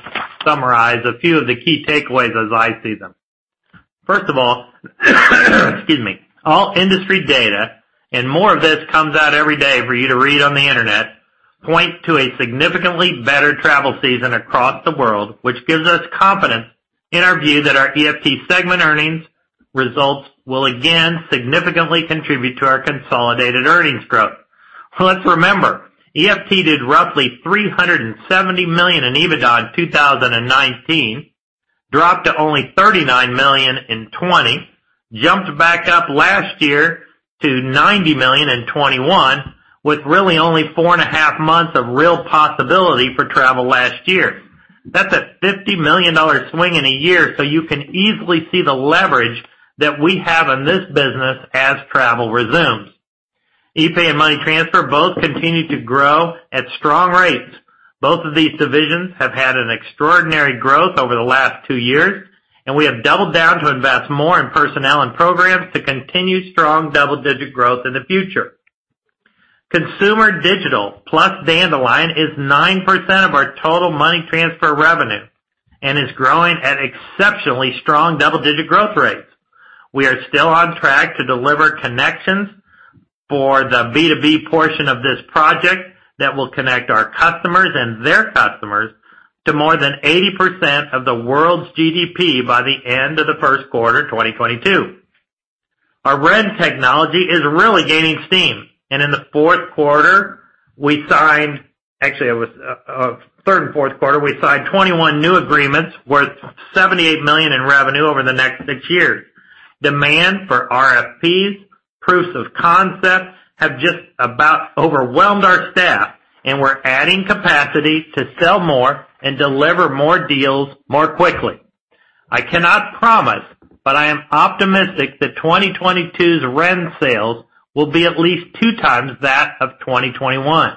Speaker 3: summarize a few of the key takeaways as I see them. First of all, excuse me, all industry data, and more of this comes out every day for you to read on the internet, point to a significantly better travel season across the world, which gives us confidence in our view that our EFT segment earnings results will again significantly contribute to our consolidated earnings growth. Let's remember, EFT did roughly $370 million in EBITDA in 2019, dropped to only $39 million in 2020, jumped back up last year to $90 million in 2021, with really only four and a half months of real possibility for travel last year. That's a $50 million swing in a year, so you can easily see the leverage that we have in this business as travel resumes. Epay and Money Transfer both continue to grow at strong rates. Both of these divisions have had an extraordinary growth over the last two years, and we have doubled down to invest more in personnel and programs to continue strong double-digit growth in the future. Consumer digital plus Dandelion is 9% of our total Money Transfer revenue and is growing at exceptionally strong double-digit growth rates. We are still on track to deliver connections for the B2B portion of this project that will connect our customers and their customers to more than 80% of the world's GDP by the end of the first quarter 2022. Our Ren technology is really gaining steam. Actually, it was third and fourth quarter, we signed 21 new agreements worth $78 million in revenue over the next six years. Demand for RFPs, proofs of concept have just about overwhelmed our staff, and we're adding capacity to sell more and deliver more deals more quickly. I cannot promise, but I am optimistic that 2022's Ren sales will be at least two times that of 2021.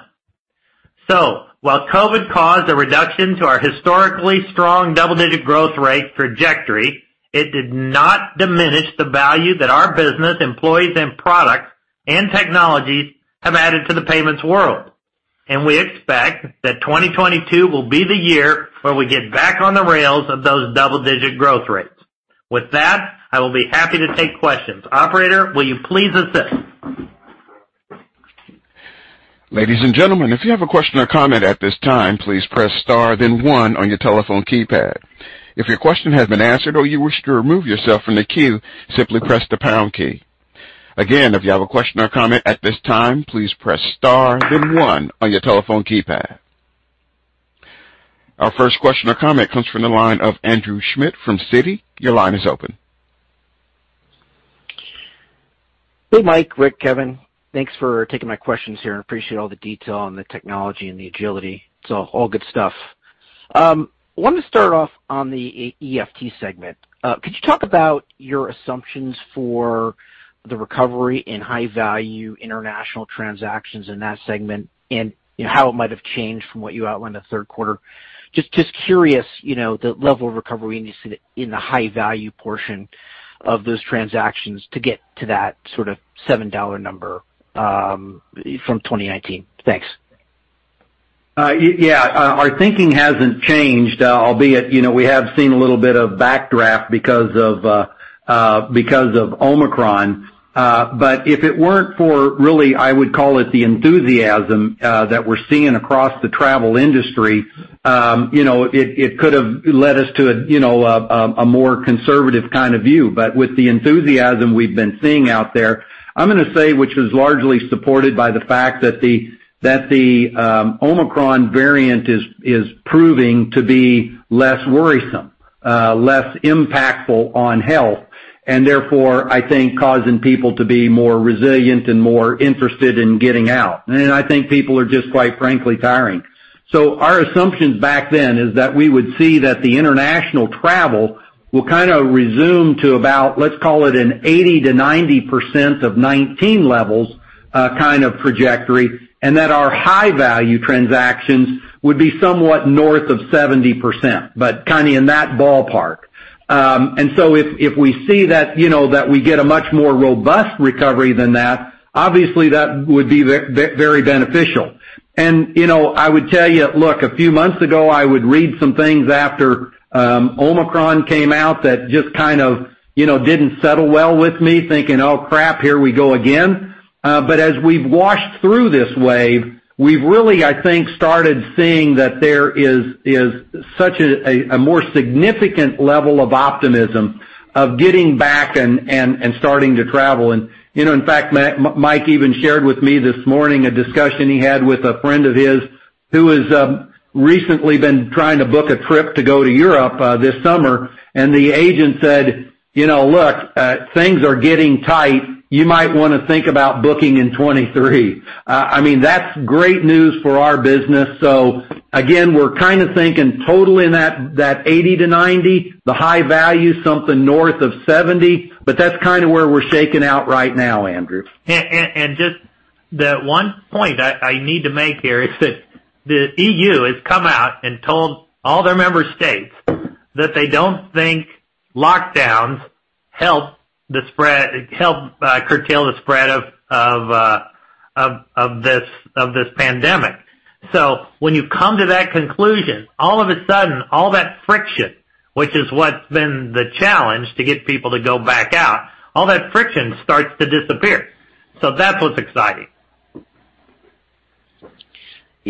Speaker 3: So while COVID caused a reduction to our historically strong double-digit growth rate trajectory, it did not diminish the value that our business, employees and products and technologies have added to the payments world. We expect that 2022 will be the year where we get back on the rails of those double-digit growth rates. With that, I will be happy to take questions. Operator, will you please assist?
Speaker 1: Ladies and gentlemen, if you have a question or comment at this time, please press star then one on your telephone keypad. If your question has been answered or you wish to remove yourself from the queue, simply press the pound key. Again, if you have a question or comment at this time, please press star then one on your telephone keypad. Our first question or comment comes from the line of Andrew Schmidt from Citi. Your line is open.
Speaker 5: Hey, Mike, Rick, Kevin. Thanks for taking my questions here. I appreciate all the detail on the technology and the agility. It's all good stuff. Wanted to start off on the EFT segment. Could you talk about your assumptions for the recovery in high-value international transactions in that segment and, you know, how it might have changed from what you outlined the third quarter? Just curious, you know, the level of recovery we need to see in the high-value portion of those transactions to get to that sort of $7 number from 2019. Thanks.
Speaker 4: Yeah. Our thinking hasn't changed, albeit, you know, we have seen a little bit of backdraft because of Omicron. If it weren't for, really, I would call it the enthusiasm that we're seeing across the travel industry, you know, it could have led us to a more conservative kind of view. With the enthusiasm we've been seeing out there, I'm gonna say, which is largely supported by the fact that the Omicron variant is proving to be less worrisome, less impactful on health, and therefore, I think causing people to be more resilient and more interested in getting out. I think people are just, quite frankly, tiring. Our assumptions back then is that we would see that the international travel will kind of resume to about, let's call it an 80%-90% of 2019 levels, kind of trajectory, and that our high-value transactions would be somewhat north of 70%, but kind of in that ballpark. If we see that, you know, that we get a much more robust recovery than that, obviously that would be very beneficial. You know, I would tell you, look, a few months ago, I would read some things after Omicron came out that just kind of, you know, didn't settle well with me, thinking, "Oh, crap, here we go again." But as we've washed through this wave, we've really, I think, started seeing that there is such a more significant level of optimism of getting back and starting to travel. You know, in fact, Mike even shared with me this morning a discussion he had with a friend of his who has recently been trying to book a trip to go to Europe this summer. The agent said, "You know, look, things are getting tight. You might wanna think about booking in 2023." I mean, that's great news for our business. Again, we're kind of thinking total in that 80%-90%, the high value something north of 70%, but that's kind of where we're shaking out right now, Andrew.
Speaker 3: And just the one point I need to make here is that the EU has come out and told all their member states that they don't think lockdowns help curtail the spread of this pandemic. When you come to that conclusion, all of a sudden, all that friction, which is what's been the challenge to get people to go back out, all that friction starts to disappear. That's what's exciting.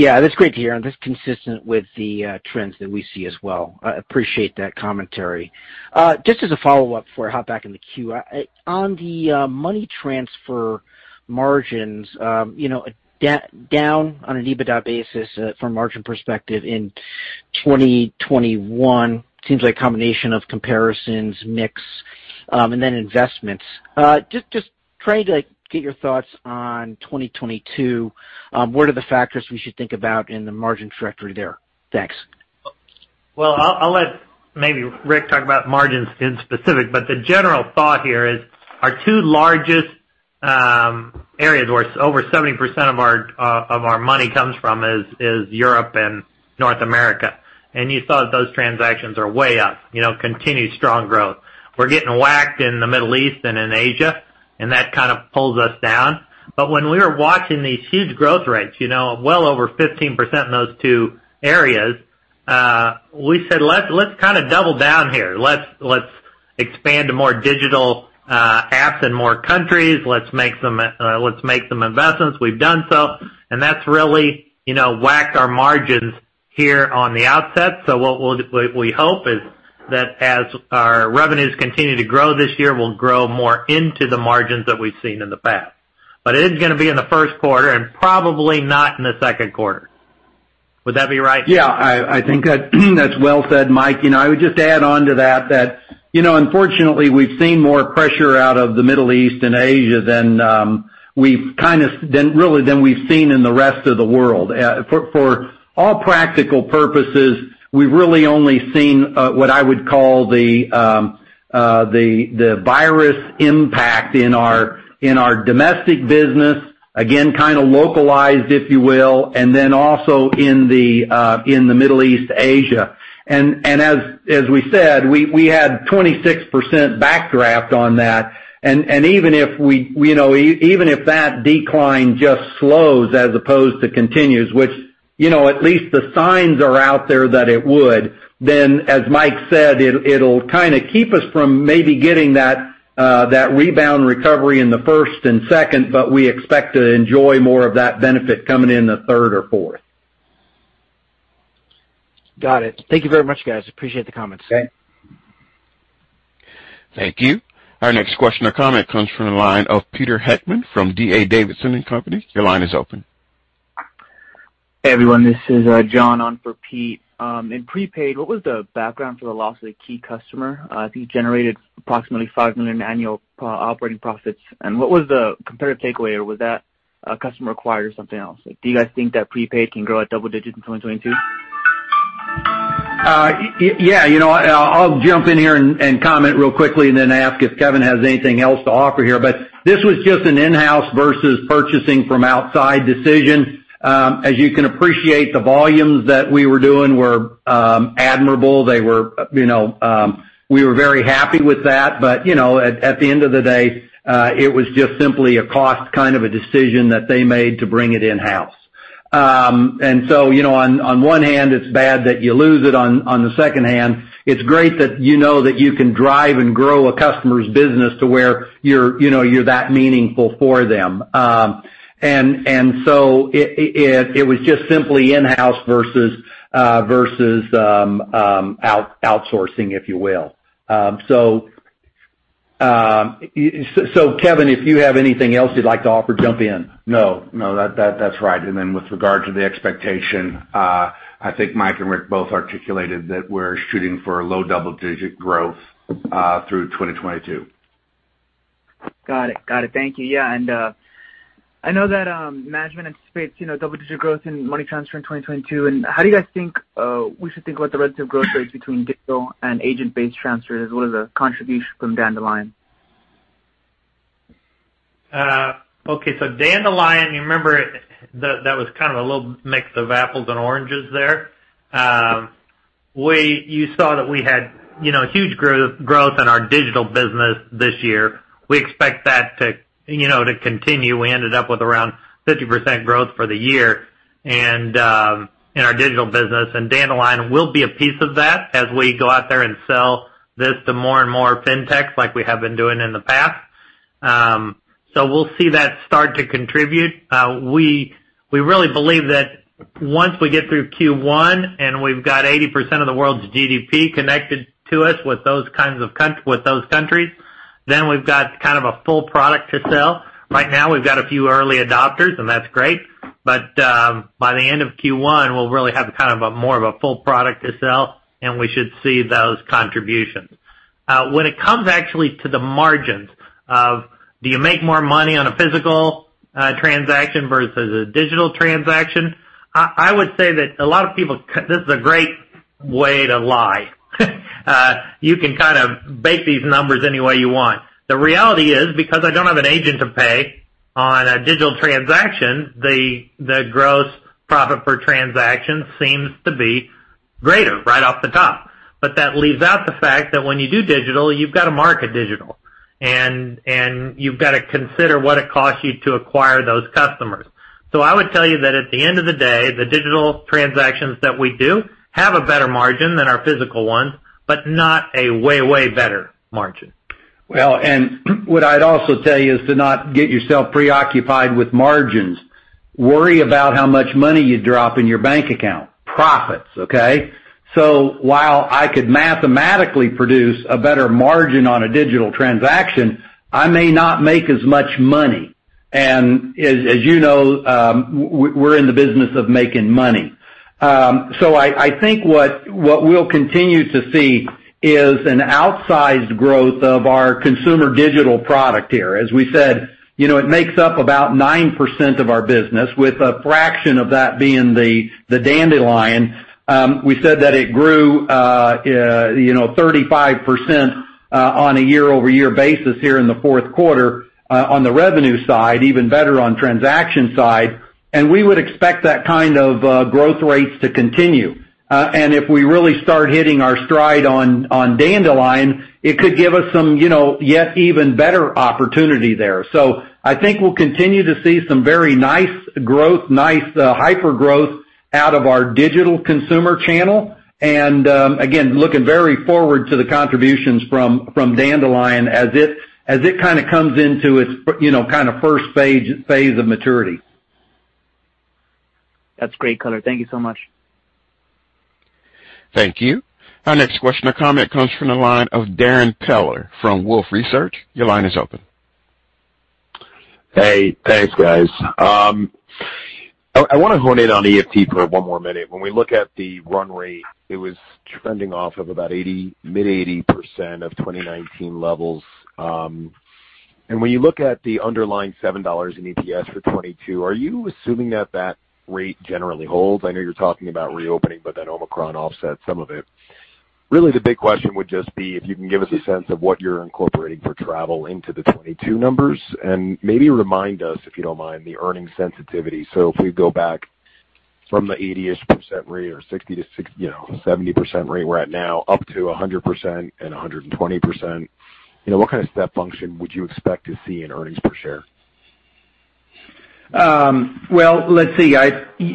Speaker 5: Yeah, that's great to hear, and that's consistent with the trends that we see as well. I appreciate that commentary. Just as a follow-up before I hop back in the queue. On the Money Transfer margins, you know, down on an EBITDA basis from margin perspective in 2021 seems like a combination of comparisons, mix, and then investments. Just trying to get your thoughts on 2022. What are the factors we should think about in the margin trajectory there? Thanks.
Speaker 3: Well, I'll let maybe Rick talk about margins in specific, but the general thought here is our two largest areas where over 70% of our money comes from is Europe and North America. You saw that those transactions are way up, you know, continued strong growth. We're getting whacked in the Middle East and in Asia, and that kind of pulls us down. When we were watching these huge growth rates, you know, well over 15% in those two areas, we said, "Let's kinda double down here. Let's expand to more digital apps in more countries. Let's make some investments." We've done so. That's really, you know, whacked our margins here on the outset. What we hope is that as our revenues continue to grow this year, we'll grow more into the margins that we've seen in the past. It is gonna be in the first quarter and probably not in the second quarter. Would that be right?
Speaker 4: Yeah, I think that's well said, Mike. You know, I would just add on to that, you know, unfortunately, we've seen more pressure out of the Middle East and Asia than really we've seen in the rest of the world. For all practical purposes, we've really only seen what I would call the virus impact in our domestic business, again, kinda localized, if you will, and then also in the Middle East Asia. As we said, we had 26% backdraft on that. Even if that decline just slows as opposed to continues, which you know at least the signs are out there that it would, then as Mike said, it'll kinda keep us from maybe getting that rebound recovery in the first and second, but we expect to enjoy more of that benefit coming in the third or fourth.
Speaker 5: Got it. Thank you very much, guys. Appreciate the comments.
Speaker 4: Okay.
Speaker 1: Thank you. Our next question or comment comes from the line of Peter Heckmann from D.A. Davidson & Company. Your line is open.
Speaker 6: Hey, everyone. This is John on for Pete. In prepaid, what was the background for the loss of a key customer that you generated approximately $5 million annual operating profits? What was the comparative takeaway, or was that a customer acquired or something else? Do you guys think that prepaid can grow at double digits in 2022?
Speaker 4: Yeah, you know, I'll jump in here and comment real quickly and then ask if Kevin has anything else to offer here. This was just an in-house versus purchasing from outside decision. As you can appreciate, the volumes that we were doing were admirable. They were, you know, we were very happy with that. You know, at the end of the day, it was just simply a cost kind of a decision that they made to bring it in-house. You know, on one hand, it's bad that you lose it. On the second hand, it's great that you know that you can drive and grow a customer's business to where you're, you know, you're that meaningful for them. It was just simply in-house versus outsourcing, if you will. Kevin, if you have anything else you'd like to offer, jump in.
Speaker 7: No, no, that's right. With regard to the expectation, I think Mike and Rick both articulated that we're shooting for a low double-digit growth through 2022.
Speaker 6: Got it. Thank you. Yeah, I know that management anticipates, you know, double-digit growth in Money Transfer in 2022. How do you guys think we should think about the relative growth rates between digital and agent-based transfers, as well as the contribution from Dandelion?
Speaker 3: Okay. Dandelion, you remember that was kind of a little mix of apples and oranges there. You saw that we had, you know, huge growth in our digital business this year. We expect that to, you know, to continue. We ended up with around 50% growth for the year and in our digital business. Dandelion will be a piece of that as we go out there and sell this to more and more fintechs like we have been doing in the past. We'll see that start to contribute. We really believe that once we get through Q1, and we've got 80% of the world's GDP connected to us with those kinds of countries, then we've got kind of a full product to sell. Right now, we've got a few early adopters, and that's great. By the end of Q1, we'll really have kind of a more of a full product to sell, and we should see those contributions. When it comes actually to the margins of, do you make more money on a physical transaction versus a digital transaction? I would say that a lot of people see this is a great way to lie. You can kind of bake these numbers any way you want. The reality is, because I don't have an agent to pay on a digital transaction, the gross profit per transaction seems to be greater right off the top. That leaves out the fact that when you do digital, you've got to market digital, and you've got to consider what it costs you to acquire those customers. I would tell you that at the end of the day, the digital transactions that we do have a better margin than our physical ones, but not a way better margin.
Speaker 4: What I'd also tell you is to not get yourself preoccupied with margins. Worry about how much money you drop in your bank account. Profits, okay? While I could mathematically produce a better margin on a digital transaction, I may not make as much money. As you know, we're in the business of making money. I think what we'll continue to see is an outsized growth of our consumer digital product here. As we said, you know, it makes up about 9% of our business, with a fraction of that being the Dandelion. We said that it grew, you know, 35% on a year-over-year basis here in the fourth quarter on the revenue side, even better on transaction side, and we would expect that kind of growth rates to continue. If we really start hitting our stride on Dandelion, it could give us some, you know, yet even better opportunity there. I think we'll continue to see some very nice growth, hypergrowth out of our digital consumer channel. Again, looking very forward to the contributions from Dandelion as it kind of comes into its, you know, kind of first phase of maturity.
Speaker 6: That's great, color. Thank you so much.
Speaker 1: Thank you. Our next question or comment comes from the line of Darrin Peller from Wolfe Research. Your line is open.
Speaker 8: Hey, thanks, guys. I wanna hone in on EFT for one more minute. When we look at the run rate, it was trending off of about mid-80% of 2019 levels. When you look at the underlying $7 in EPS for 2022, are you assuming that rate generally holds? I know you're talking about reopening, but then Omicron offsets some of it. Really, the big question would just be if you can give us a sense of what you're incorporating for travel into the 2022 numbers, and maybe remind us, if you don't mind, the earnings sensitivity. If we go back from the 80-ish% rate you know, 70% rate we're at now, up to a 100% and 120%, you know, what kind of step function would you expect to see in earnings per share?
Speaker 4: Well, let's see.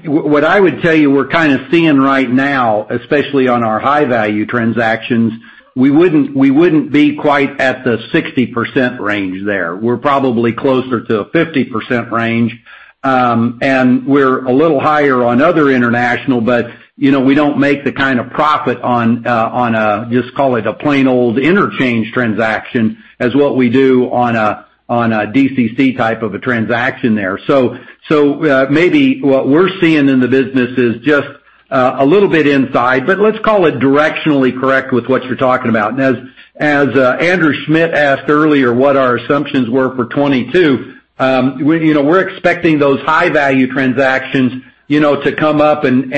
Speaker 4: What I would tell you we're kind of seeing right now, especially on our high-value transactions, we wouldn't be quite at the 60% range there. We're probably closer to a 50% range, and we're a little higher on other international but, you know, we don't make the kind of profit on a, just call it a plain old interchange transaction, as what we do on a DCC type of a transaction there. Maybe what we're seeing in the business is just a little bit inside, but let's call it directionally correct with what you're talking about. As Andrew Schmidt asked earlier what our assumptions were for 2022, you know, we're expecting those high-value transactions, you know, to come up and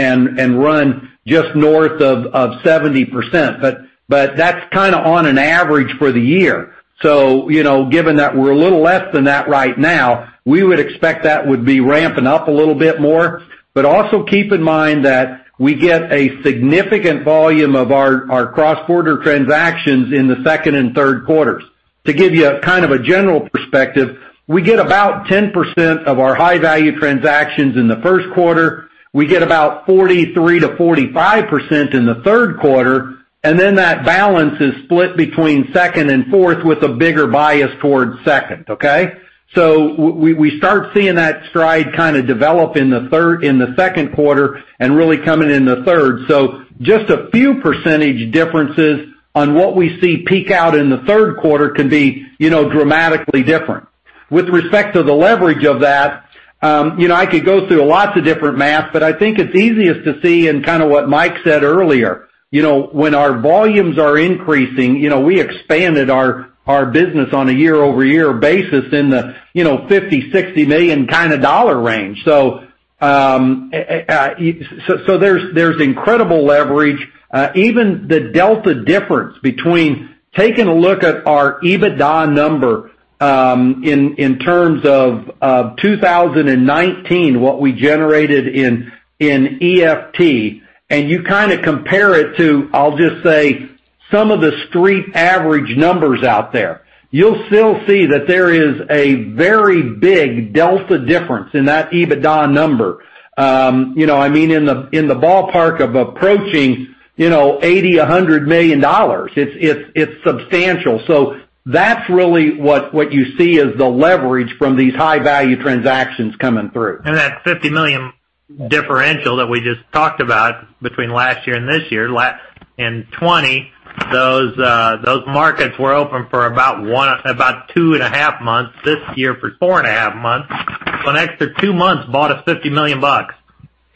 Speaker 4: run just north of 70%. But that's kinda on an average for the year. So, you know, given that we're a little less than that right now, we would expect that would be ramping up a little bit more. But also keep in mind that we get a significant volume of our cross-border transactions in the second and third quarters. To give you a kind of a general perspective, we get about 10% of our high-value transactions in the first quarter. We get about 43%-45% in the third quarter, and then that balance is split between second and fourth, with a bigger bias towards second, okay? We start seeing that stride kinda develop in the second quarter and really coming in the third. Just a few percentage differences on what we see peak out in the third quarter can be, you know, dramatically different. With respect to the leverage of that, you know, I could go through lots of different math, but I think it's easiest to see in kind of what Mike said earlier. You know, when our volumes are increasing, you know, we expanded our business on a year-over-year basis in the, you know, $50 million-$60 million kinda dollar range. So there's incredible leverage. Even the delta difference between taking a look at our EBITDA number in terms of 2019, what we generated in EFT, and you kinda compare it to, I'll just say, some of the street average numbers out there. You'll still see that there is a very big delta difference in that EBITDA number. You know, I mean, in the ballpark of approaching $80 million-$100 million. It's substantial. That's really what you see as the leverage from these high-value transactions coming through.
Speaker 3: That $50 million differential that we just talked about between last year and this year. In 2020, those markets were open for about two and a half months, this year for four and a half months. An extra two months bought us $50 million bucks.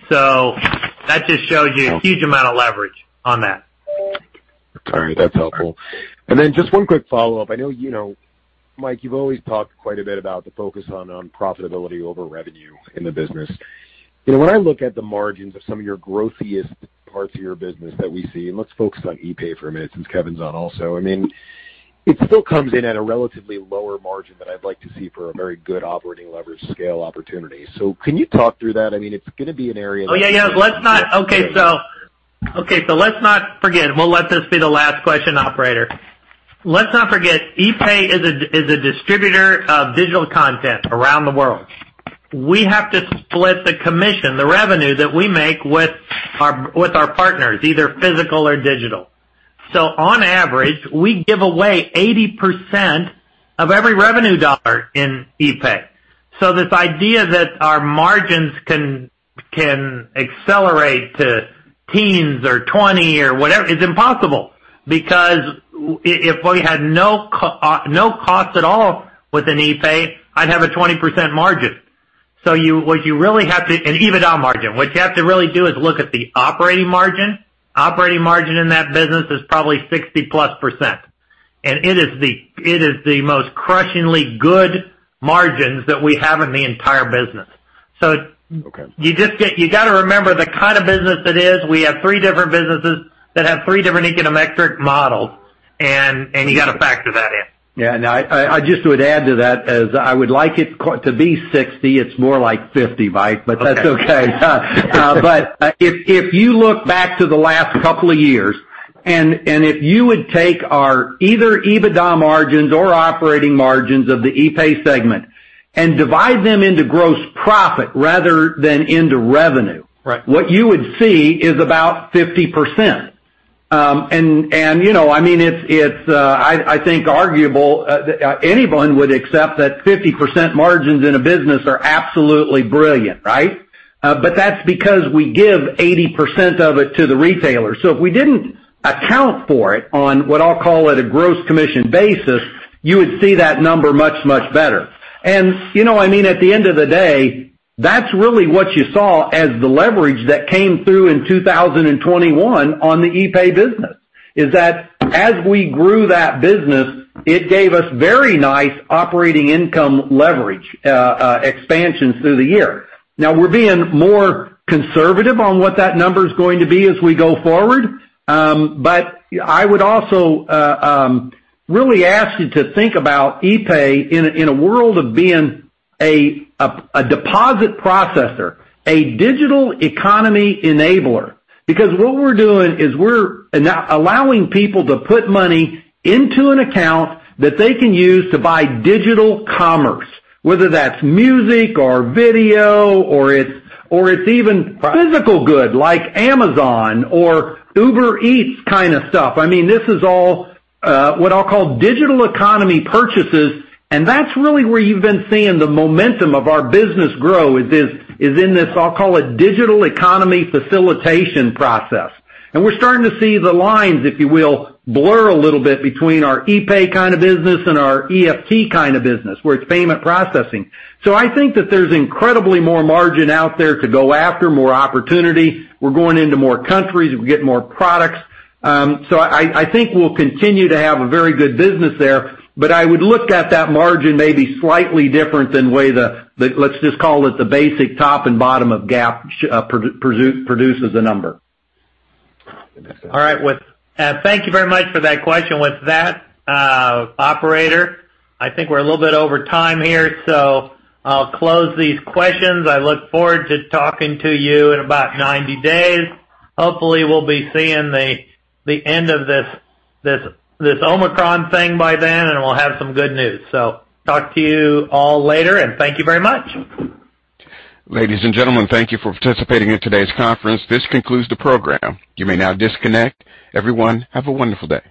Speaker 3: That just shows you a huge amount of leverage on that.
Speaker 8: All right. That's helpful. Then just one quick follow-up. I know you know, Mike, you've always talked quite a bit about the focus on profitability over revenue in the business. When I look at the margins of some of your growthiest parts of your business that we see, and let's focus on epay for a minute, since Kevin's on also. I mean, it still comes in at a relatively lower margin than I'd like to see for a very good operating leverage scale opportunity. Can you talk through that? I mean, it's gonna be an area.
Speaker 3: We'll let this be the last question, operator. Let's not forget, epay is a distributor of digital content around the world. We have to split the commission, the revenue that we make with our partners, either physical or digital. On average, we give away 80% of every $1 of revenue in epay. This idea that our margins can accelerate to teens or 20% or whatever is impossible. Because if we had no cost at all within epay, I'd have a 20% margin. What you really have to do is look at an EBITDA margin. What you have to really do is look at the operating margin. Operating margin in that business is probably 60%+, and it is the most crushingly good margins that we have in the entire business.
Speaker 8: Okay.
Speaker 3: You gotta remember the kind of business it is. We have three different businesses that have three different econometric models, and you got to factor that in.
Speaker 4: Yeah, no, I just would add to that, as I would like it to be 60%, it's more like 50%, Mike, but that's okay. If you look back to the last couple of years, and if you would take our either EBITDA margins or operating margins of the epay segment and divide them into gross profit rather than into revenue.
Speaker 8: Right.
Speaker 4: What you would see is about 50%. You know, I mean, it's arguably anyone would accept that 50% margins in a business are absolutely brilliant, right? But that's because we give 80% of it to the retailer. So if we didn't account for it on what I'll call a gross commission basis, you would see that number much, much better. You know, I mean, at the end of the day, that's really what you saw as the leverage that came through in 2021 on the epay business, is that as we grew that business, it gave us very nice operating income leverage expansions through the year. Now we're being more conservative on what that number is going to be as we go forward. I would also really ask you to think about epay in a world of being a deposit processor, a digital economy enabler. Because what we're doing is we're allowing people to put money into an account that they can use to buy digital commerce, whether that's music or video or even physical good like Amazon or Uber Eats kind of stuff. I mean, this is all what I'll call digital economy purchases, and that's really where you've been seeing the momentum of our business grow, in this I'll call it digital economy facilitation process. We're starting to see the lines, if you will, blur a little bit between our epay kind of business and our EFT kind of business, where it's payment processing. I think that there's incredibly more margin out there to go after, more opportunity. We're going into more countries. We get more products. I think we'll continue to have a very good business there. I would look at that margin maybe slightly different than the way, let's just call it the basic top and bottom of GAAP produces a number.
Speaker 8: Okay.
Speaker 3: All right. Thank you very much for that question. With that, operator, I think we're a little bit over time here, so I'll close these questions. I look forward to talking to you in about 90 days. Hopefully, we'll be seeing the end of this Omicron thing by then, and we'll have some good news. Talk to you all later, and thank you very much.
Speaker 1: Ladies and gentlemen, thank you for participating in today's conference. This concludes the program. You may now disconnect. Everyone, have a wonderful day.